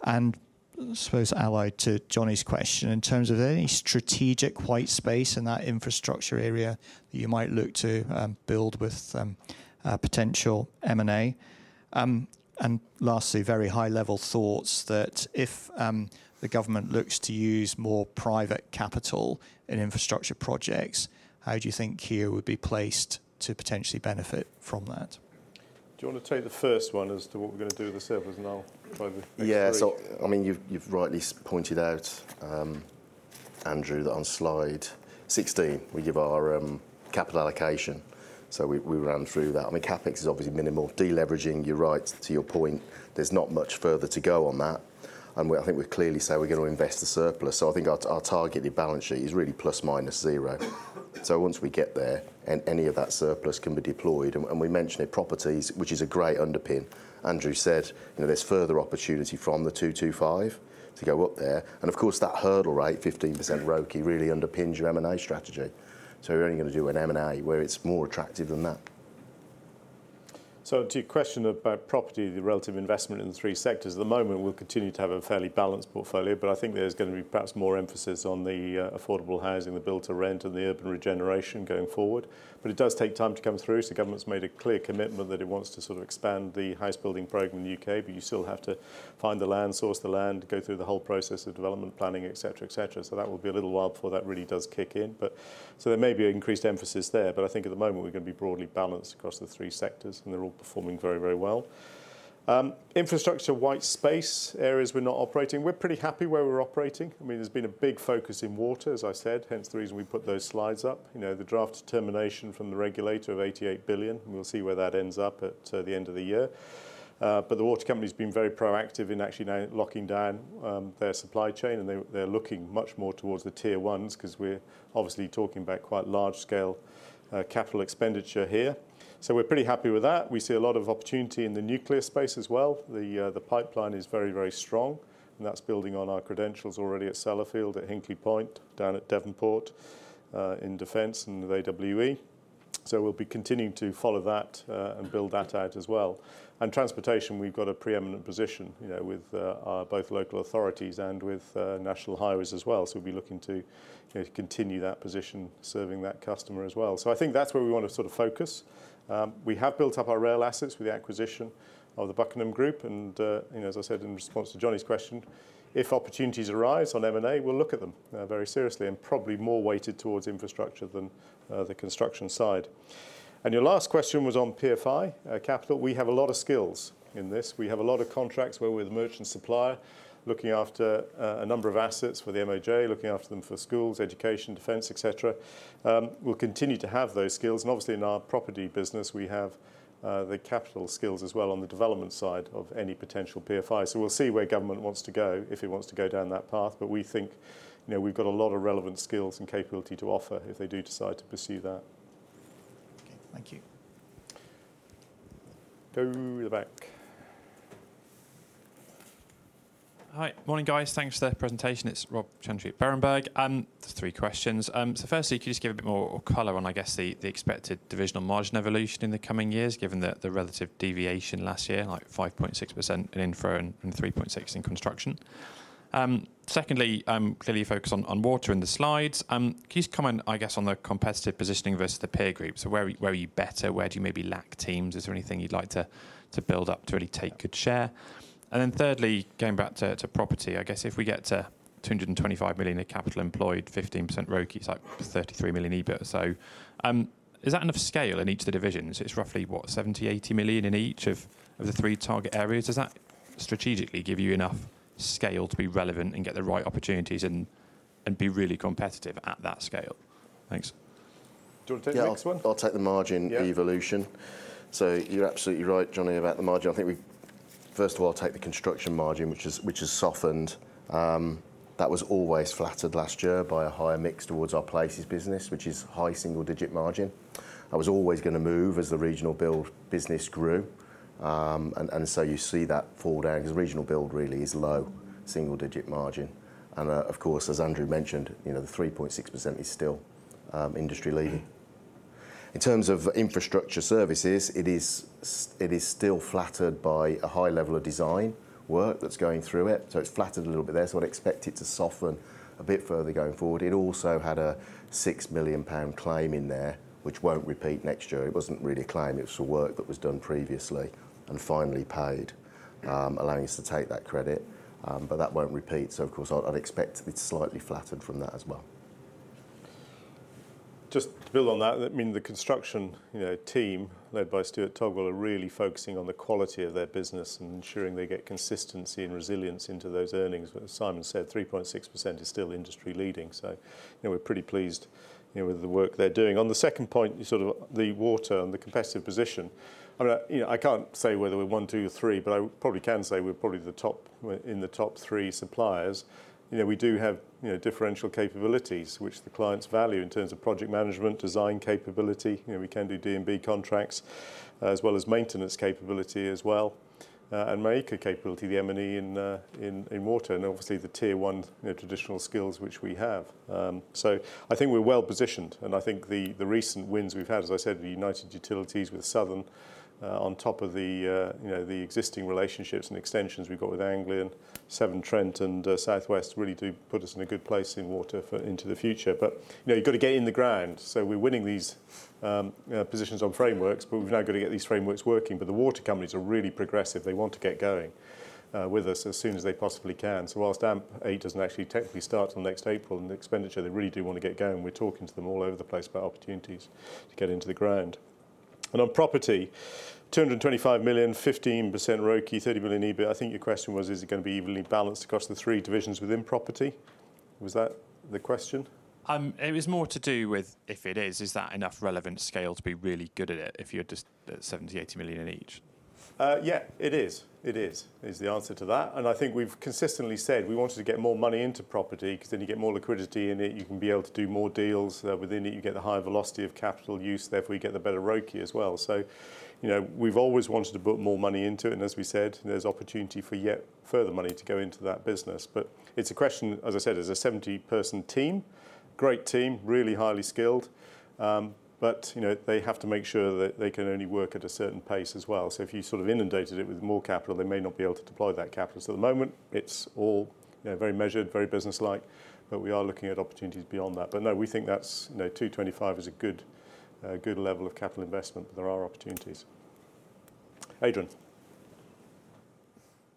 S4: And I suppose, allied to Jonny's question, in terms of any strategic white space in that infrastructure area, you might look to, build with, a potential M&A. And lastly, very high-level thoughts that if the government looks to use more private capital in infrastructure projects, how do you think Kier would be placed to potentially benefit from that?
S1: Do you want to take the first one as to what we're going to do with the surplus, and I'll probably.
S2: Yeah. So, I mean, you've, you've rightly pointed out, Andrew, that on slide 16, we give our capital allocation. So we, we ran through that. I mean, CapEx is obviously minimal. Deleveraging, you're right. To your point, there's not much further to go on that, and we-- I think we clearly say we're going to invest the surplus. So I think our, our targeted balance sheet is really plus/minus zero. So once we get there and any of that surplus can be deployed, and, and we mentioned it, properties, which is a great underpin. Andrew said, you know, there's further opportunity from the 225 to go up there. And of course, that hurdle rate, 15% ROCE, really underpins your M&A strategy. So we're only going to do an M&A where it's more attractive than that.
S1: So to your question about property, the relative investment in the three sectors, at the moment, we'll continue to have a fairly balanced portfolio, but I think there's going to be perhaps more emphasis on the affordable housing, the build to rent, and the urban regeneration going forward. But it does take time to come through. So the government's made a clear commitment that it wants to sort of expand the house building program in the U.K., but you still have to find the land, source the land, go through the whole process of development planning, et cetera, et cetera. So that will be a little while before that really does kick in. But, so there may be an increased emphasis there, but I think at the moment, we're going to be broadly balanced across the three sectors, and they're all performing very, very well. Infrastructure, white space, areas we're not operating. We're pretty happy where we're operating. I mean, there's been a big focus in water, as I said, hence the reason we put those slides up. You know, the draft determination from the regulator of 88 billion, and we'll see where that ends up at the end of the year. But the water company's been very proactive in actually now locking down their supply chain, and they, they're looking much more towards the tier ones because we're obviously talking about quite large-scale capital expenditure here. So we're pretty happy with that. We see a lot of opportunity in the nuclear space as well. The pipeline is very, very strong, and that's building on our credentials already at Sellafield, at Hinkley Point, down at Devonport in defense, and with AWE. So we'll be continuing to follow that and build that out as well. And transportation, we've got a preeminent position, you know, with both local authorities and with National Highways as well. So we'll be looking to continue that position, serving that customer as well. So I think that's where we want to sort of focus. We have built up our rail assets with the acquisition of the Buckingham Group, and you know, as I said in response to Jonny's question, if opportunities arise on M&A, we'll look at them very seriously, and probably more weighted towards infrastructure than the construction side. And your last question was on PFI capital. We have a lot of skills in this. We have a lot of contracts where we're the merchant supplier, looking after a number of assets for the MOJ, looking after them for schools, education, defense, et cetera. We'll continue to have those skills, and obviously, in our property business, we have the capital skills as well on the development side of any potential PFI. So we'll see where government wants to go, if it wants to go down that path. But we think, you know, we've got a lot of relevant skills and capability to offer if they do decide to pursue that.
S4: Okay, thank you.
S1: Go to the back.
S5: Hi. Morning, guys. Thanks for the presentation. It's Rob Chantry at Berenberg. Just three questions. So firstly, could you just give a bit more color on, I guess, the expected divisional margin evolution in the coming years, given the relative deviation last year, like 5.6% in infra and 3.6% in construction? Secondly, clearly focused on water in the slides. Can you just comment, I guess, on the competitive positioning versus the peer group? So where are you better? Where do you maybe lack teams? Is there anything you'd like to build up to really take good share? And then thirdly, going back to property, I guess if we get to 225 million in capital employed, 15% ROCE, it's like 33 million EBIT. Is that enough scale in each of the divisions? It's roughly, what, 70-80 million in each of the three target areas. Does that strategically give you enough scale to be relevant and get the right opportunities and be really competitive at that scale? Thanks.
S1: Do you want to take the next one?
S2: Yeah, I'll take the margin evolution.
S1: Yeah.
S2: So you're absolutely right, Jonny, about the margin. I think we first of all take the construction margin, which has softened. That was always flattered last year by a higher mix towards our places business, which is high single-digit margin. I was always going to move as the regional build business grew. And so you see that fall down, because regional build really is low single-digit margin. And of course, as Andrew mentioned, you know, the 3.6% is still industry-leading. In terms of infrastructure services, it is still flattered by a high level of design work that's going through it, so it's flattered a little bit there. So I'd expect it to soften a bit further going forward. It also had a 6 million pound claim in there, which won't repeat next year. It wasn't really a claim, it was for work that was done previously and finally paid, allowing us to take that credit, but that won't repeat. So of course, I'd expect it's slightly flattered from that as well.
S1: Just to build on that, I mean, the construction, you know, team, led by Stuart Togher, are really focusing on the quality of their business and ensuring they get consistency and resilience into those earnings. But as Simon said, 3.6% is still industry-leading, so, you know, we're pretty pleased, you know, with the work they're doing. On the second point, sort of the water and the competitive position, I mean, I, you know, I can't say whether we're one, two, or three, but I probably can say we're probably the top in the top three suppliers. You know, we do have, you know, differentiated capabilities, which the clients value in terms of project management, design capability. You know, we can do D&B contracts, as well as maintenance capability as well. And MEICA capability, the M&E in water, and obviously the tier one, you know, traditional skills, which we have. So I think we're well positioned, and I think the recent wins we've had, as I said, the United Utilities with Southern, on top of the, you know, the existing relationships and extensions we've got with Anglian, Severn Trent, and South West really do put us in a good place in water for into the future. But, you know, you've got to get in the ground, so we're winning these positions on frameworks, but we've now got to get these frameworks working. But the water companies are really progressive, they want to get going with us as soon as they possibly can. So while AMP8 doesn't actually technically start till next April, and the expenditure, they really do want to get going. We're talking to them all over the place about opportunities to get into the ground. And on property, 225 million, 15% ROCE, 30 million EBIT. I think your question was, is it going to be evenly balanced across the three divisions within property? Was that the question?
S5: It was more to do with, if it is, is that enough relevant scale to be really good at it, if you're just 70 million-80 million in each?
S1: Yeah, it is the answer to that. And I think we've consistently said we wanted to get more money into property, because then you get more liquidity in it, you can be able to do more deals within it, you get the higher velocity of capital use, therefore, you get the better ROCE as well. So, you know, we've always wanted to put more money into it, and as we said, there's opportunity for yet further money to go into that business. But it's a question, as I said, it's a 70-person team, great team, really highly skilled. But, you know, they have to make sure that they can only work at a certain pace as well. So if you sort of inundated it with more capital, they may not be able to deploy that capital. So at the moment, it's all, you know, very measured, very businesslike, but we are looking at opportunities beyond that. But no, we think that's, you know, two twenty-five is a good, good level of capital investment, but there are opportunities. Adrian.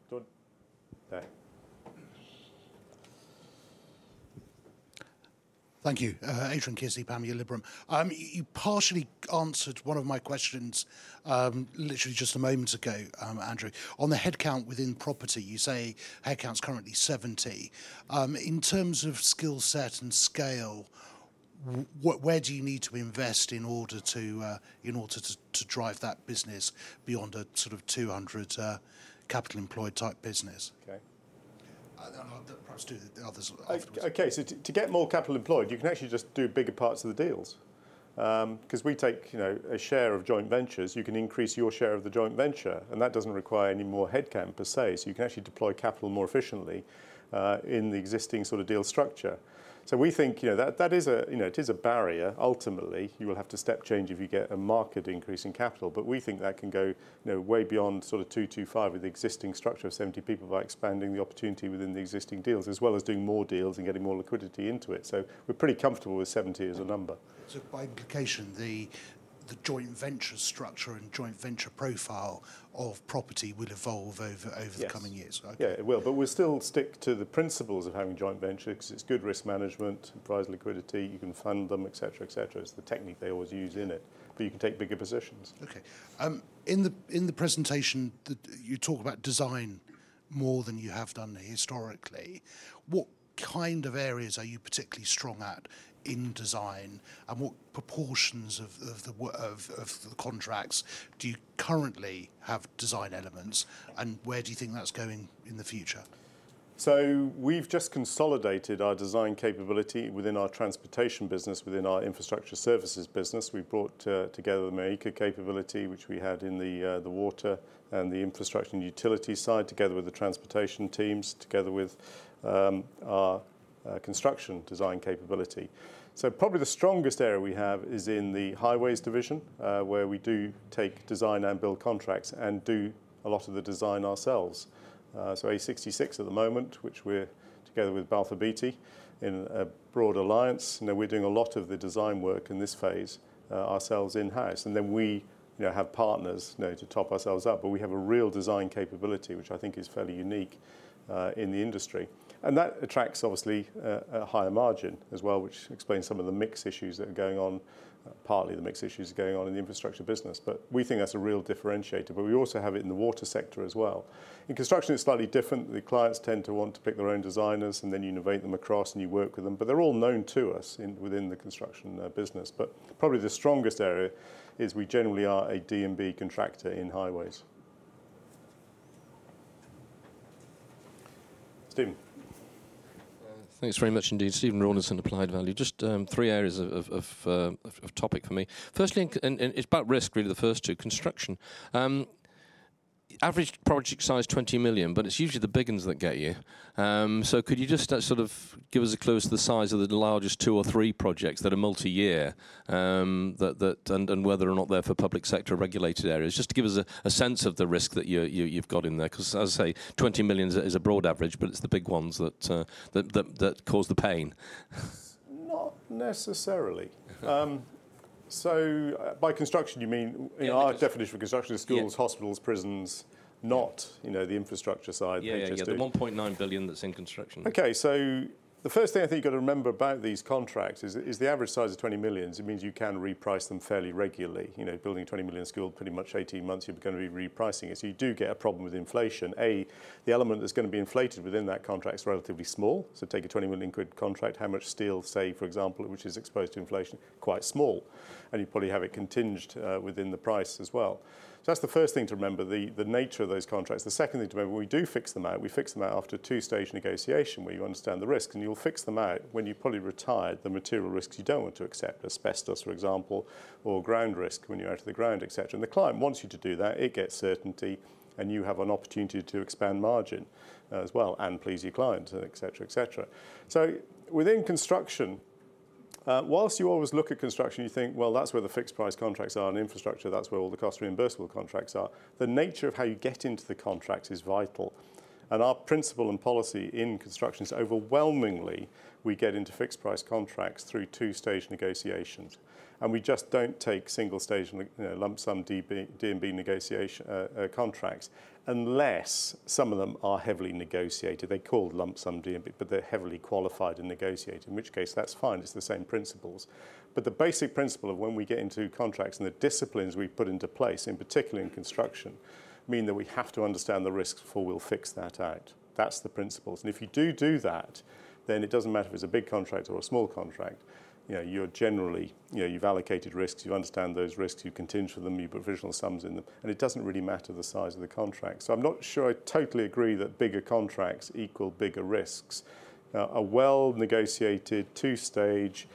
S1: Go on. Yeah.
S6: Thank you. Adrian Kearsey, Panmure Gordon. You partially answered one of my questions literally just a moment ago, Andrew. On the headcount within property, you say headcount's currently 70. In terms of skill set and scale, where do you need to invest in order to drive that business beyond a sort of 200 capital employed type business?
S1: Okay.
S6: Perhaps do the others afterwards.
S1: Okay. So to get more capital employed, you can actually just do bigger parts of the deals. 'Cause we take, you know, a share of joint ventures, you can increase your share of the joint venture, and that doesn't require any more headcount per se, so you can actually deploy capital more efficiently, in the existing sort of deal structure. So we think, you know, that is a, you know, it is a barrier. Ultimately, you will have to step change if you get a market increase in capital. But we think that can go, you know, way beyond sort of 225 with the existing structure of 70 people by expanding the opportunity within the existing deals, as well as doing more deals and getting more liquidity into it. So we're pretty comfortable with 70 as a number.
S6: So by implication, the joint venture structure and joint venture profile of property will evolve over-
S1: Yes.
S6: Over the coming years?
S1: Yeah, it will. But we'll still stick to the principles of having a joint venture 'cause it's good risk management, enterprise liquidity, you can fund them, et cetera, et cetera. It's the technique they always use in it, but you can take bigger positions.
S6: Okay. In the presentation, you talk about design more than you have done historically. What kind of areas are you particularly strong at in design? And what proportions of the contracts do you currently have design elements, and where do you think that's going in the future?
S1: So we've just consolidated our design capability within our transportation business, within our infrastructure services business. We brought together the MEICA capability, which we had in the the water and the infrastructure and utility side, together with the transportation teams, together with our construction design capability. So probably the strongest area we have is in the highways division, where we do take design and build contracts and do a lot of the design ourselves. So A66 at the moment, which we're together with Balfour Beatty in a broad alliance. You know, we're doing a lot of the design work in this phase ourselves in-house, and then we, you know, have partners, you know, to top ourselves up. But we have a real design capability, which I think is fairly unique in the industry. And that attracts obviously a higher margin as well, which explains some of the mix issues that are going on, partly the mix issues going on in the infrastructure business. But we think that's a real differentiator, but we also have it in the water sector as well. In construction, it's slightly different. The clients tend to want to pick their own designers, and then you innovate them across, and you work with them, but they're all known to us within the construction business. But probably the strongest area is we generally are a D&B contractor in highways. Stephen?
S7: Thanks very much indeed. Stephen Rawlinson, Applied Value. Just three areas of topic for me. Firstly, it's about risk, really, the first two, construction. Average project size, 20 million, but it's usually the big ones that get you, so could you just sort of give us a clue as to the size of the largest two or three projects that are multi-year, and whether or not they're for public sector regulated areas? Just to give us a sense of the risk that you've got in there, 'cause as I say, 20 million is a broad average, but it's the big ones that cause the pain.
S1: Not necessarily. So, by construction, you mean, in our definition of construction is schools, hospitals, prisons, not, you know, the infrastructure side?
S7: Yeah, yeah, the 1.9 billion that's in construction.
S1: Okay, so the first thing I think you gotta remember about these contracts is the average size of 20 million. So it means you can reprice them fairly regularly. You know, building a 20 million school, pretty much 18 months, you're gonna be repricing it. So you do get a problem with inflation. The element that's gonna be inflated within that contract is relatively small. So take a 20 million quid contract, how much steel, say, for example, which is exposed to inflation, quite small, and you probably have it contingent within the price as well. So that's the first thing to remember, the nature of those contracts. The second thing to remember, we do fix them out. We fix them out after a two-stage negotiation, where you understand the risk, and you'll fix them out when you probably retired the material risks you don't want to accept, asbestos, for example, or ground risk when you're out of the ground, et cetera. The client wants you to do that. It gets certainty, and you have an opportunity to expand margin as well and please your client, et cetera, et cetera, so within construction, whilst you always look at construction, you think, well, that's where the fixed price contracts are, and infrastructure, that's where all the cost reimbursable contracts are. The nature of how you get into the contract is vital, and our principle and policy in construction is overwhelmingly we get into fixed price contracts through two-stage negotiations, and we just don't take single-stage, you know, lump sum D&B negotiation, contracts, unless some of them are heavily negotiated. They're called lump sum D&B, but they're heavily qualified and negotiated, in which case, that's fine. It's the same principles. But the basic principle of when we get into contracts and the disciplines we put into place, in particular in construction, mean that we have to understand the risks before we'll fix that out. That's the principles. And if you do do that, then it doesn't matter if it's a big contract or a small contract, you know, you're generally. You know, you've allocated risks, you understand those risks, you contingent them, you put provisional sums in them, and it doesn't really matter the size of the contract. So I'm not sure I totally agree that bigger contracts equal bigger risks. A well-negotiated, two-stage,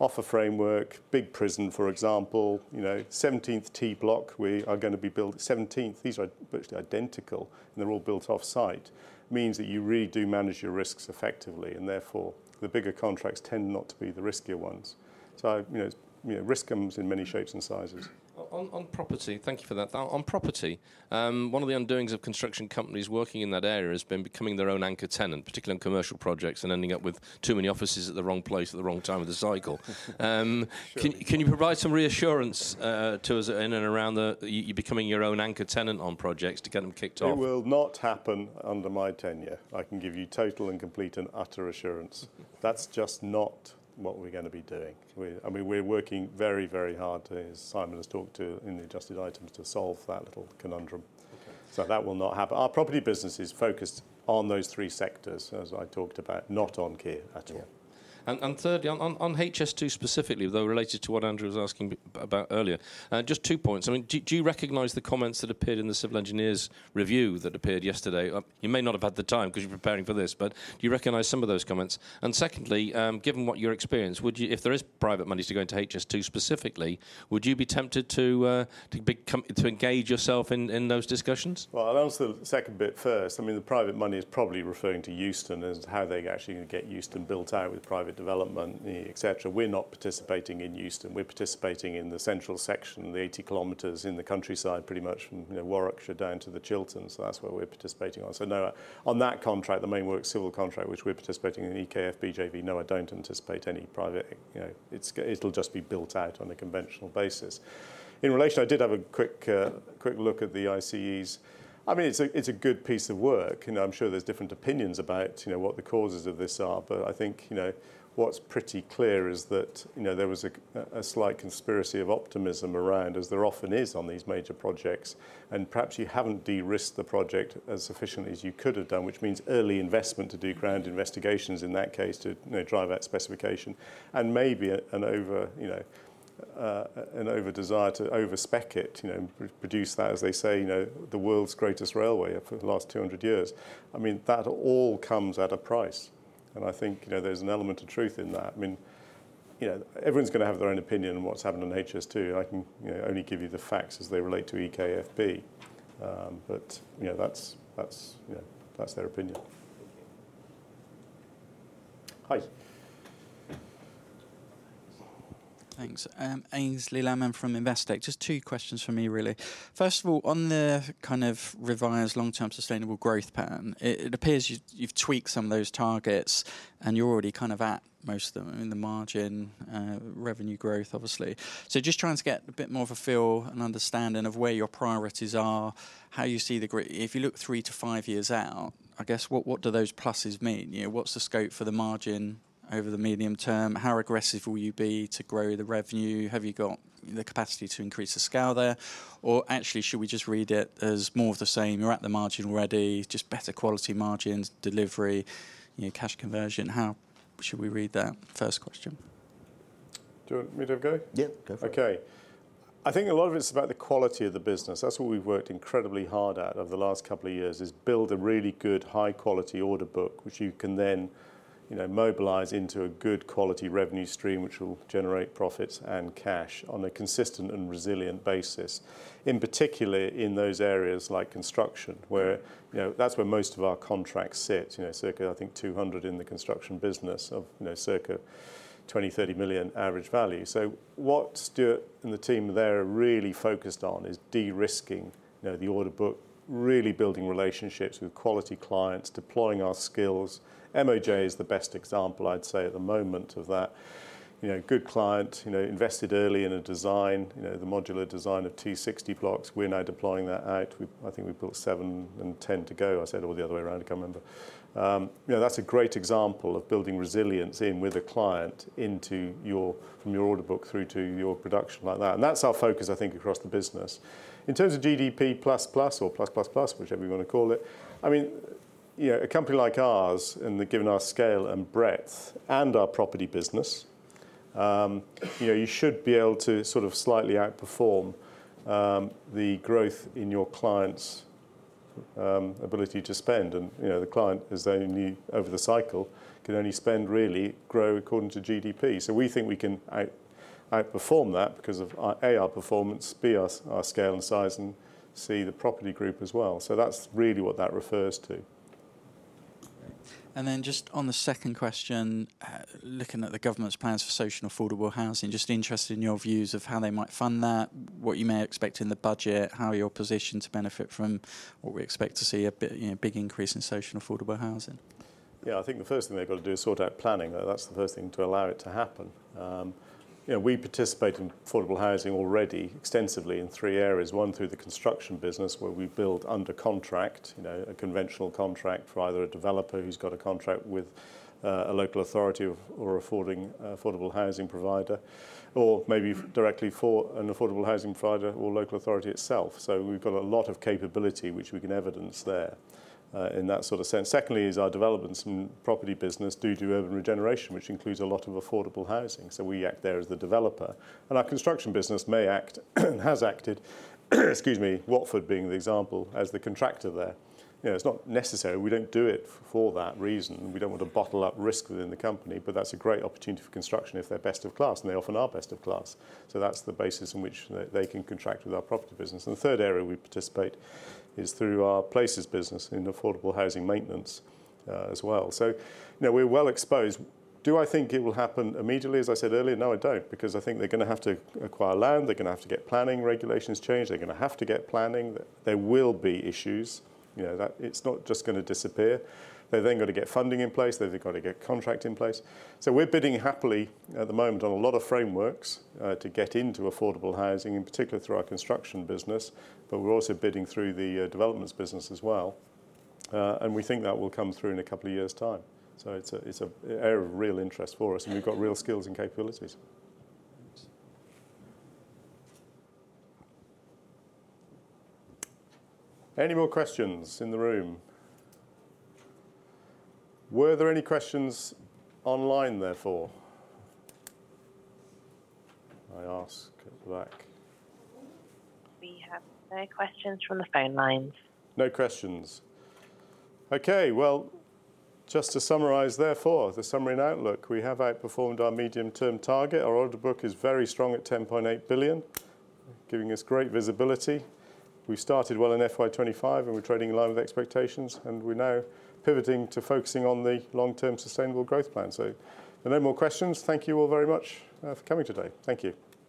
S1: offer framework, big prison, for example. You know, seventeenth T60 block, we are gonna be build seventeenth. These are virtually identical, and they're all built off-site. Means that you really do manage your risks effectively, and therefore, the bigger contracts tend not to be the riskier ones. So, you know, risk comes in many shapes and sizes.
S7: On property. Thank you for that. On property, one of the undoings of construction companies working in that area has been becoming their own anchor tenant, particularly in commercial projects, and ending up with too many offices at the wrong place at the wrong time of the cycle. Can you provide some reassurance to us in and around you becoming your own anchor tenant on projects to get them kicked off?
S1: It will not happen under my tenure. I can give you total and complete and utter assurance. That's just not what we're gonna be doing. We, I mean, we're working very, very hard to, as Simon has talked to in the adjusted items, to solve that little conundrum. So that will not happen. Our property business is focused on those three sectors, as I talked about, not on Kier at all.
S7: Thirdly, on HS2 specifically, though related to what Andrew was asking about earlier, just two points. I mean, do you recognize the comments that appeared in the Institution of Civil Engineers review that appeared yesterday? You may not have had the time because you are preparing for this, but do you recognize some of those comments? And secondly, given your experience, would you if there is private money to go into HS2 specifically, be tempted to become engaged in those discussions?
S1: I'll answer the second bit first. I mean, the private money is probably referring to Euston and how they're actually gonna get Euston built out with private development, et cetera. We're not participating in Euston. We're participating in the central section, the 80 km in the countryside, pretty much from, you know, Warwickshire down to the Chilterns. So that's where we're participating on. So no, on that contract, the main work civil contract, which we're participating in, the EKFB JV, no, I don't anticipate any private. You know, it's, it'll just be built out on a conventional basis. In relation, I did have a quick look at the ICE's. I mean, it's a good piece of work, and I'm sure there's different opinions about, you know, what the causes of this are. But I think, you know, what's pretty clear is that, you know, there was a slight conspiracy of optimism around, as there often is on these major projects, and perhaps you haven't de-risked the project as sufficiently as you could have done, which means early investment to do ground investigations, in that case, to, you know, drive that specification, and maybe an over desire to overspec it, you know, produce that, as they say, you know, the world's greatest railway for the last 200 years. I mean, that all comes at a price, and I think, you know, there's an element of truth in that. I mean, you know, everyone's gonna have their own opinion on what's happened on HS2. I can, you know, only give you the facts as they relate to EKFB, but, you know, that's, you know, that's their opinion. Hi.
S8: Thanks. Aynsley Lammin from Investec. Just two questions from me, really. First of all, on the kind of revised long-term sustainable growth pattern, it appears you've tweaked some of those targets, and you're already kind of at most of them in the margin, revenue growth, obviously. So just trying to get a bit more of a feel and understanding of where your priorities are, how you see the growth. If you look three to five years out, I guess, what do those pluses mean? You know, what's the scope for the margin over the medium term? How aggressive will you be to grow the revenue? Have you got the capacity to increase the scale there? Or actually, should we just read it as more of the same, you're at the margin already, just better quality margins, delivery, you know, cash conversion? How should we read that? First question.
S1: Do you want me to have a go?
S2: Yeah, go for it.
S1: Okay. I think a lot of it's about the quality of the business. That's what we've worked incredibly hard at over the last couple of years, is build a really good, high-quality order book, which you can then, you know, mobilize into a good quality revenue stream, which will generate profits and cash on a consistent and resilient basis. In particular, in those areas like construction, where, you know, that's where most of our contracts sit, you know, circa, I think, 200 in the construction business of, you know, circa 20-30 million average value. So what Stuart and the team there are really focused on is de-risking, you know, the order book, really building relationships with quality clients, deploying our skills. MOJ is the best example, I'd say, at the moment of that. You know, good client, you know, invested early in a design, you know, the modular design of T60 blocks. We're now deploying that out. We, I think we built seven and 10 to go. I said it all the other way around, I can't remember. You know, that's a great example of building resilience in with a client into your, from your order book through to your production like that. That's our focus, I think, across the business. In terms of GDP plus, plus or plus, plus, plus, whichever you wanna call it, I mean, you know, a company like ours, and given our scale and breadth and our property business, you know, you should be able to sort of slightly outperform the growth in your client's ability to spend. You know, the client is only over the cycle can only spend really grow according to GDP. So we think we can outperform that because of A, our performance, B, our scale and size, and C, the property group as well. So that's really what that refers to.
S8: And then just on the second question, looking at the government's plans for social and affordable housing, just interested in your views of how they might fund that, what you may expect in the budget, how you're positioned to benefit from what we expect to see, you know, a big increase in social and affordable housing?
S1: Yeah, I think the first thing they've got to do is sort out planning, though. That's the first thing to allow it to happen. You know, we participate in affordable housing already extensively in three areas. One, through the construction business, where we build under contract, you know, a conventional contract for either a developer who's got a contract with a local authority or affordable housing provider, or maybe directly for an affordable housing provider or local authority itself. So we've got a lot of capability which we can evidence there in that sort of sense. Secondly, is our developments and property business due to urban regeneration, which includes a lot of affordable housing, so we act there as the developer. And our construction business may act, has acted, excuse me, Watford being the example, as the contractor there. You know, it's not necessary. We don't do it for that reason. We don't want to bottle up risk within the company, but that's a great opportunity for construction if they're best of class, and they often are best of class. So that's the basis in which they can contract with our property business. And the third area we participate is through our places business in affordable housing maintenance, as well. So, you know, we're well exposed. Do I think it will happen immediately, as I said earlier? No, I don't, because I think they're gonna have to acquire land. They're gonna have to get planning regulations changed. They're gonna have to get planning. There will be issues. You know, that. It's not just gonna disappear. They've then got to get funding in place. They've got to get contract in place. So we're bidding happily at the moment on a lot of frameworks, to get into affordable housing, in particular through our construction business, but we're also bidding through the, developments business as well. And we think that will come through in a couple of years' time. So it's a, it's a area of real interest for us, and we've got real skills and capabilities. Any more questions in the room? Were there any questions online, therefore? I ask at the back.
S9: We have no questions from the phone lines.
S1: No questions. Okay, well, just to summarize, therefore, the summary and outlook, we have outperformed our medium-term target. Our order book is very strong at 10.8 billion, giving us great visibility. We started well in FY 2025, and we're trading in line with expectations, and we're now pivoting to focusing on the long-term sustainable growth plan. So if there are no more questions, thank you all very much for coming today. Thank you.